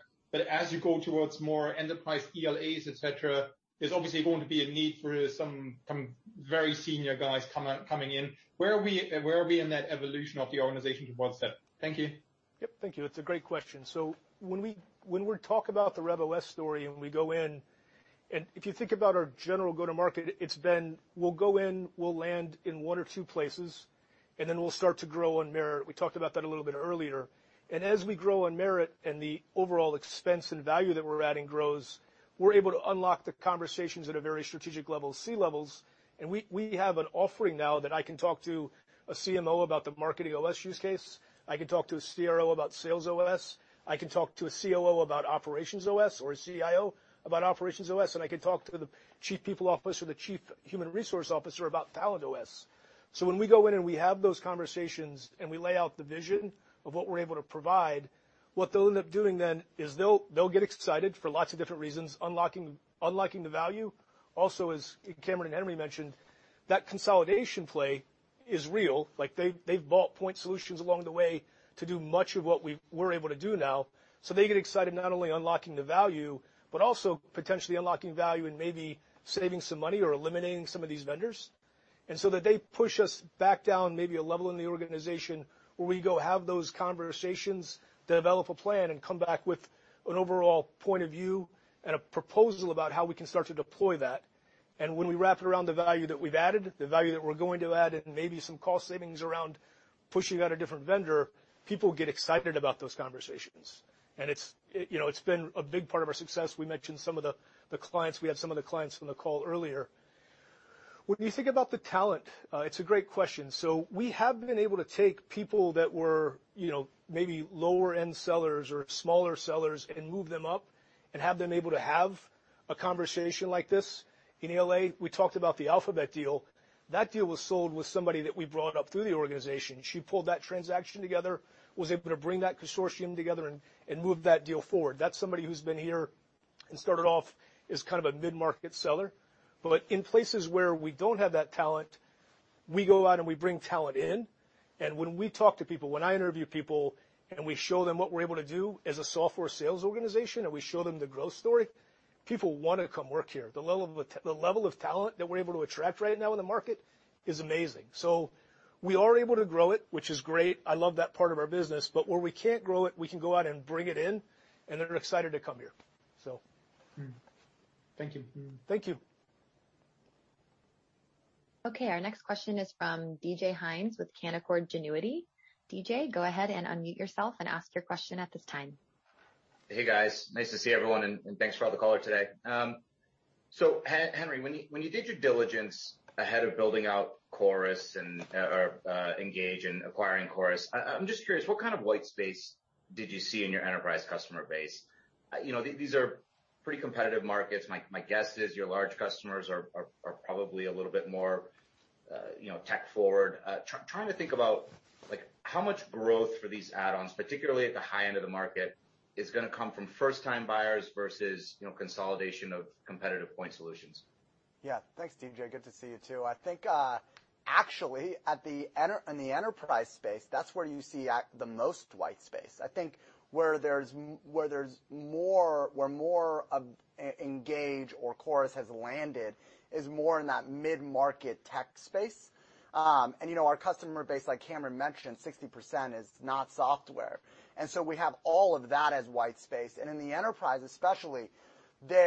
As you go towards more enterprise ELAs, et cetera, there's obviously going to be a need for some very senior guys coming in. Where are we in that evolution of the organization towards that? Thank you. Yep. Thank you. It's a great question. When we talk about the RevOS story and we go in. If you think about our general go-to-market, it's been, we'll go in, we'll land in one or two places, and then we'll start to grow on merit. We talked about that a little bit earlier. As we grow on merit and the overall expense and value that we're adding grows, we're able to unlock the conversations at a very strategic level, C-levels. We have an offering now that I can talk to a CMO about the MarketingOS use case. I can talk to a CRO about SalesOS. I can talk to a COO about OperationsOS or a CIO about OperationsOS. I can talk to the chief people officer, the chief human resource officer about TalentOS. When we go in and we have those conversations and we lay out the vision of what we're able to provide, what they'll end up doing then is they'll get excited for lots of different reasons, unlocking the value. Also, as Cameron and Henry mentioned, that consolidation play is real. Like, they've bought point solutions along the way to do much of what we're able to do now. They get excited not only unlocking the value, but also potentially unlocking value and maybe saving some money or eliminating some of these vendors. Then they push us back down maybe a level in the organization where we go have those conversations, develop a plan and come back with an overall point of view and a proposal about how we can start to deploy that. When we wrap it around the value that we've added, the value that we're going to add, and maybe some cost savings around pushing out a different vendor, people get excited about those conversations. It's, you know, it's been a big part of our success. We mentioned some of the clients. We had some of the clients on the call earlier. When you think about the talent, it's a great question. We have been able to take people that were, you know, maybe lower-end sellers or smaller sellers and move them up and have them able to have. A conversation like this in L.A., we talked about the Alphabet deal. That deal was sold with somebody that we brought up through the organization. She pulled that transaction together, was able to bring that consortium together and move that deal forward. That's somebody who's been here and started off as kind of a mid-market seller. In places where we don't have that talent, we go out and we bring talent in. When we talk to people, when I interview people, and we show them what we're able to do as a software sales organization, and we show them the growth story, people wanna come work here. The level of talent that we're able to attract right now in the market is amazing. We are able to grow it, which is great. I love that part of our business. Where we can't grow it, we can go out and bring it in, and they're excited to come here. Thank you. Thank you. Okay, our next question is from DJ Hynes with Canaccord Genuity. DJ, go ahead and unmute yourself and ask your question at this time. Hey, guys. Nice to see everyone, and thanks for all the color today. So Henry, when you did your diligence ahead of building out Chorus or Engage and acquiring Chorus, I'm just curious, what kind of white space did you see in your enterprise customer base? You know, these are pretty competitive markets. My guess is your large customers are probably a little bit more, you know, tech forward. Trying to think about, like how much growth for these add-ons, particularly at the high-end of the market, is gonna come from first time buyers versus, you know, consolidation of competitive point solutions. Yeah. Thanks, DJ. Good to see you too. I think, actually in the enterprise space, that's where you see the most white space. I think where more of Engage or Chorus has landed is more in that mid-market tech space. You know, our customer base, like Cameron mentioned, 60% is not software. So we have all of that as white space. In the enterprise especially, they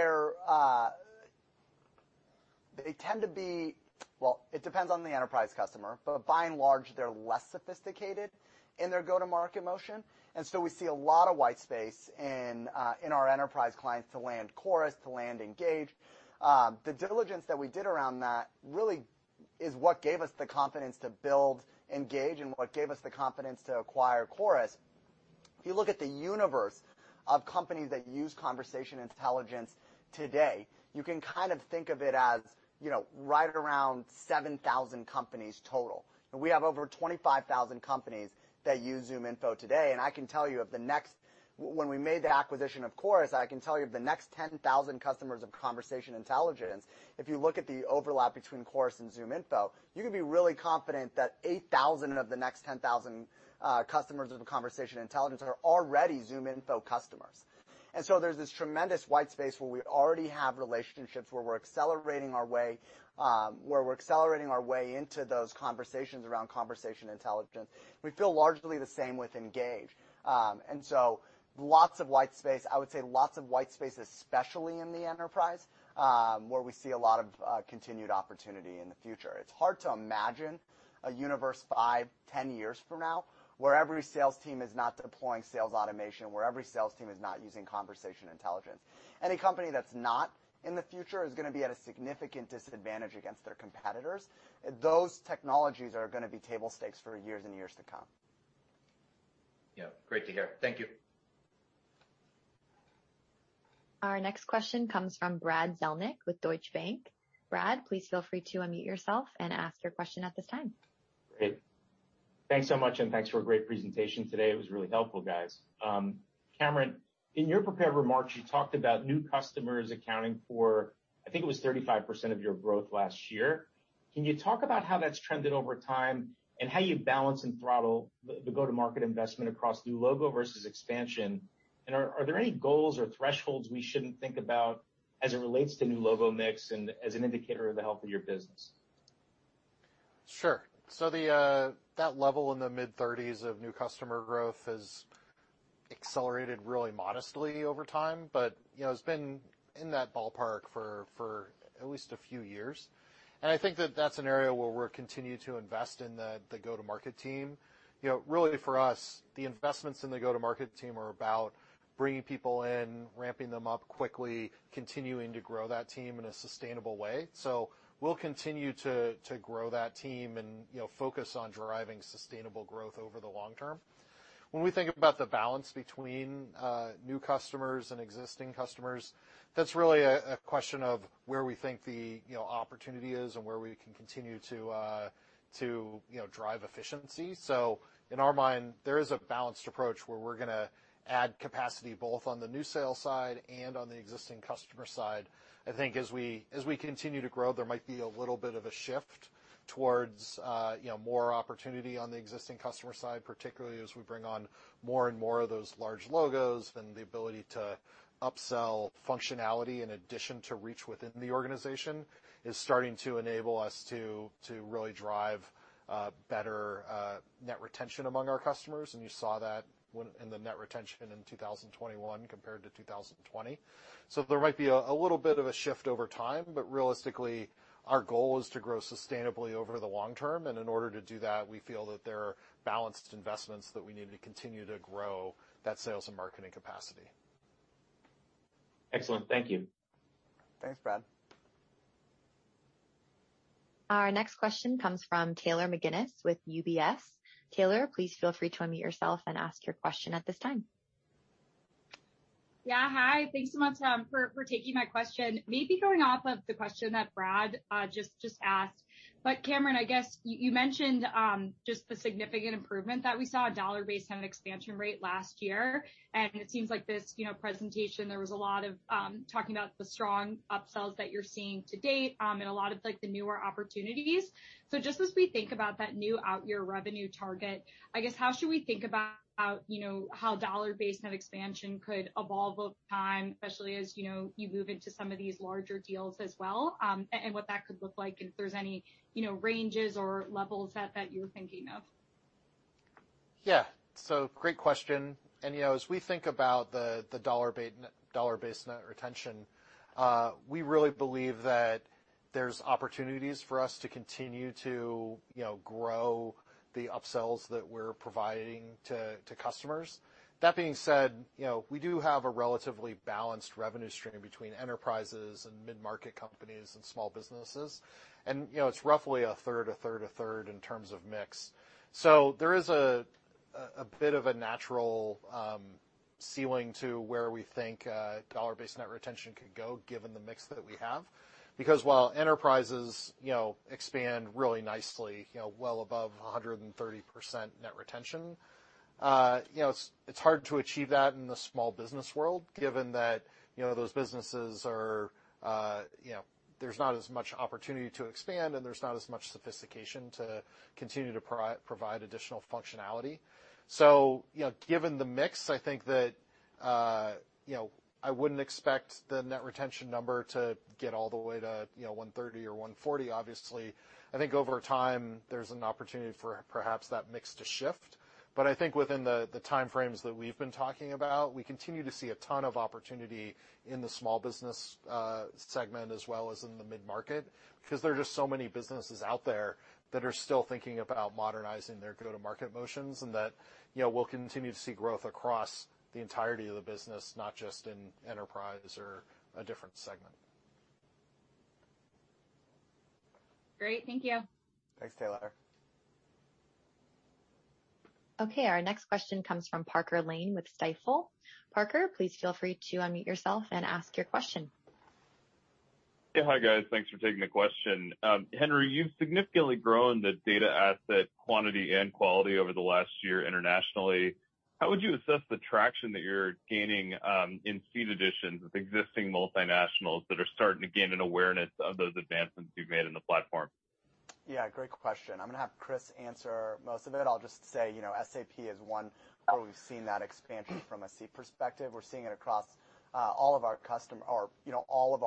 tend to be. Well, it depends on the enterprise customer, but by and large, they're less sophisticated in their go-to-market motion. So we see a lot of white space in our enterprise clients to land Chorus, to land Engage. The diligence that we did around that really is what gave us the confidence to build Engage, and what gave us the confidence to acquire Chorus. If you look at the universe of companies that use conversation intelligence today, you can kind of think of it as, you know, right around 7,000 companies total. We have over 25,000 companies that use ZoomInfo today. When we made the acquisition of Chorus, the next 10,000 customers of conversation intelligence, if you look at the overlap between Chorus and ZoomInfo, you can be really confident that 8,000 of the next 10,000 customers of conversation intelligence are already ZoomInfo customers. There's this tremendous white space where we already have relationships, where we're accelerating our way into those conversations around conversation intelligence. We feel largely the same with Engage. Lots of white space. I would say lots of white space, especially in the enterprise, where we see a lot of continued opportunity in the future. It's hard to imagine a universe 5, 10 years from now, where every sales team is not deploying sales automation, where every sales team is not using conversation intelligence. Any company that's not in the future is gonna be at a significant disadvantage against their competitors. Those technologies are gonna be table stakes for years and years to come. Yeah. Great to hear. Thank you. Our next question comes from Brad Zelnick with Deutsche Bank. Brad, please feel free to unmute yourself and ask your question at this time. Great. Thanks so much, and thanks for a great presentation today. It was really helpful, guys. Cameron, in your prepared remarks, you talked about new customers accounting for, I think it was 35% of your growth last year. Can you talk about how that's trended over time and how you balance and throttle the go-to-market investment across new logo versus expansion? Are there any goals or thresholds we shouldn't think about as it relates to new logo mix and as an indicator of the health of your business? Sure. That level in the mid-30s of new customer growth has accelerated really modestly over time, but, you know, it's been in that ballpark for at least a few years. I think that that's an area where we're continuing to invest in the go-to-market team. You know, really for us, the investments in the go-to-market team are about bringing people in, ramping them up quickly, continuing to grow that team in a sustainable way. We'll continue to grow that team and, you know, focus on driving sustainable growth over the long term. When we think about the balance between new customers and existing customers, that's really a question of where we think the, you know, opportunity is and where we can continue to drive efficiency. In our mind, there is a balanced approach where we're gonna add capacity both on the new sales side and on the existing customer side. I think as we continue to grow, there might be a little bit of a shift towards, you know, more opportunity on the existing customer side, particularly as we bring on more and more of those large logos and the ability to upsell functionality in addition to reach within the organization, is starting to enable us to really drive better net retention among our customers. You saw that, in the net retention in 2021 compared to 2020. There might be a little bit of a shift over time, but realistically, our goal is to grow sustainably over the long term, and in order to do that, we feel that there are balanced investments that we need to continue to grow that sales and marketing capacity. Excellent. Thank you. Thanks, Brad. Our next question comes from Taylor McGinnis with UBS. Taylor, please feel free to unmute yourself and ask your question at this time. Yeah, hi. Thanks so much for taking my question. Maybe going off of the question that Brad just asked, but Cameron, I guess you mentioned just the significant improvement that we saw in dollar-based net expansion rate last year, and it seems like this, you know, presentation, there was a lot of talking about the strong upsells that you're seeing to date, and a lot of, like, the newer opportunities. Just as we think about that new out-year revenue target, I guess, how should we think about, you know, how dollar-based net expansion could evolve over time, especially as, you know, you move into some of these larger deals as well, and what that could look like, and if there's any, you know, ranges or levels that that you're thinking of? Yeah. Great question. You know, as we think about the dollar-based net retention, we really believe that there's opportunities for us to continue to, you know, grow the upsells that we're providing to customers. That being said, you know, we do have a relatively balanced revenue stream between enterprises and mid-market companies and small businesses. You know, it's roughly a third, a third, a third in terms of mix. There is a bit of a natural ceiling to where we think dollar-based net retention could go given the mix that we have. Because while enterprises, you know, expand really nicely, you know, well above 130% net retention, you know, it's hard to achieve that in the small business world, given that, you know, those businesses are, you know, there's not as much opportunity to expand, and there's not as much sophistication to continue to provide additional functionality. So, you know, given the mix, I think that, you know, I wouldn't expect the net retention number to get all the way to, you know, 130 or 140, obviously. I think over time, there's an opportunity for perhaps that mix to shift. I think within the time frames that we've been talking about, we continue to see a ton of opportunity in the small business segment as well as in the mid-market, because there are just so many businesses out there that are still thinking about modernizing their go-to-market motions and that, you know, we'll continue to see growth across the entirety of the business, not just in enterprise or a different segment. Great. Thank you. Thanks, Taylor. Okay, our next question comes from Parker Lane with Stifel. Parker, please feel free to unmute yourself and ask your question. Yeah. Hi, guys. Thanks for taking the question. Henry, you've significantly grown the data asset quantity and quality over the last year internationally. How would you assess the traction that you're gaining in seat additions with existing multinationals that are starting to gain an awareness of those advancements you've made in the platform? Yeah, great question. I'm gonna have Chris answer most of it. I'll just say, you know, SAP is one where we've seen that expansion from a seed perspective. We're seeing it across all of our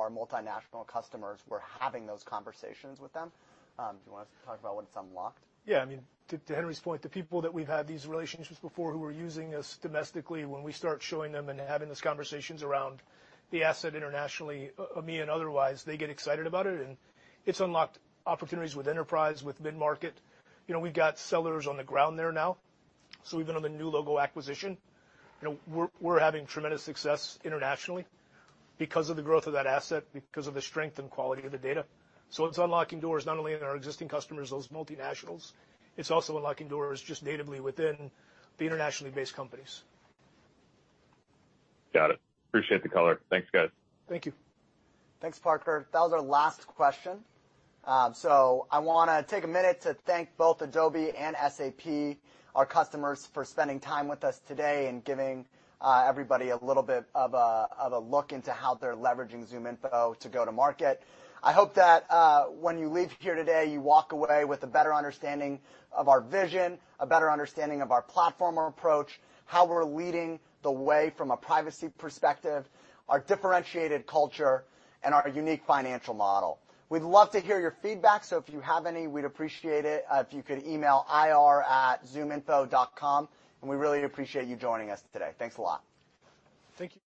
multinational customers. We're having those conversations with them. Do you wanna talk about what it's unlocked? Yeah. I mean, to Henry's point, the people that we've had these relationships before who are using us domestically, when we start showing them and having those conversations around the asset internationally, I mean, they get excited about it, and it's unlocked opportunities with enterprise, with mid-market. You know, we've got sellers on the ground there now, so we've been on the new logo acquisition. You know, we're having tremendous success internationally because of the growth of that asset, because of the strength and quality of the data. So it's unlocking doors not only in our existing customers, those multinationals, it's also unlocking doors just natively within the internationally based companies. Got it. Appreciate the color. Thanks, guys. Thank you. Thanks, Parker. That was our last question. I wanna take a minute to thank both Adobe and SAP, our customers for spending time with us today and giving everybody a little bit of a look into how they're leveraging ZoomInfo to go to market. I hope that when you leave here today, you walk away with a better understanding of our vision, a better understanding of our platform, our approach, how we're leading the way from a privacy perspective, our differentiated culture, and our unique financial model. We'd love to hear your feedback, so if you have any, we'd appreciate it if you could email ir@zoominfo.com, and we really appreciate you joining us today. Thanks a lot. Thank you.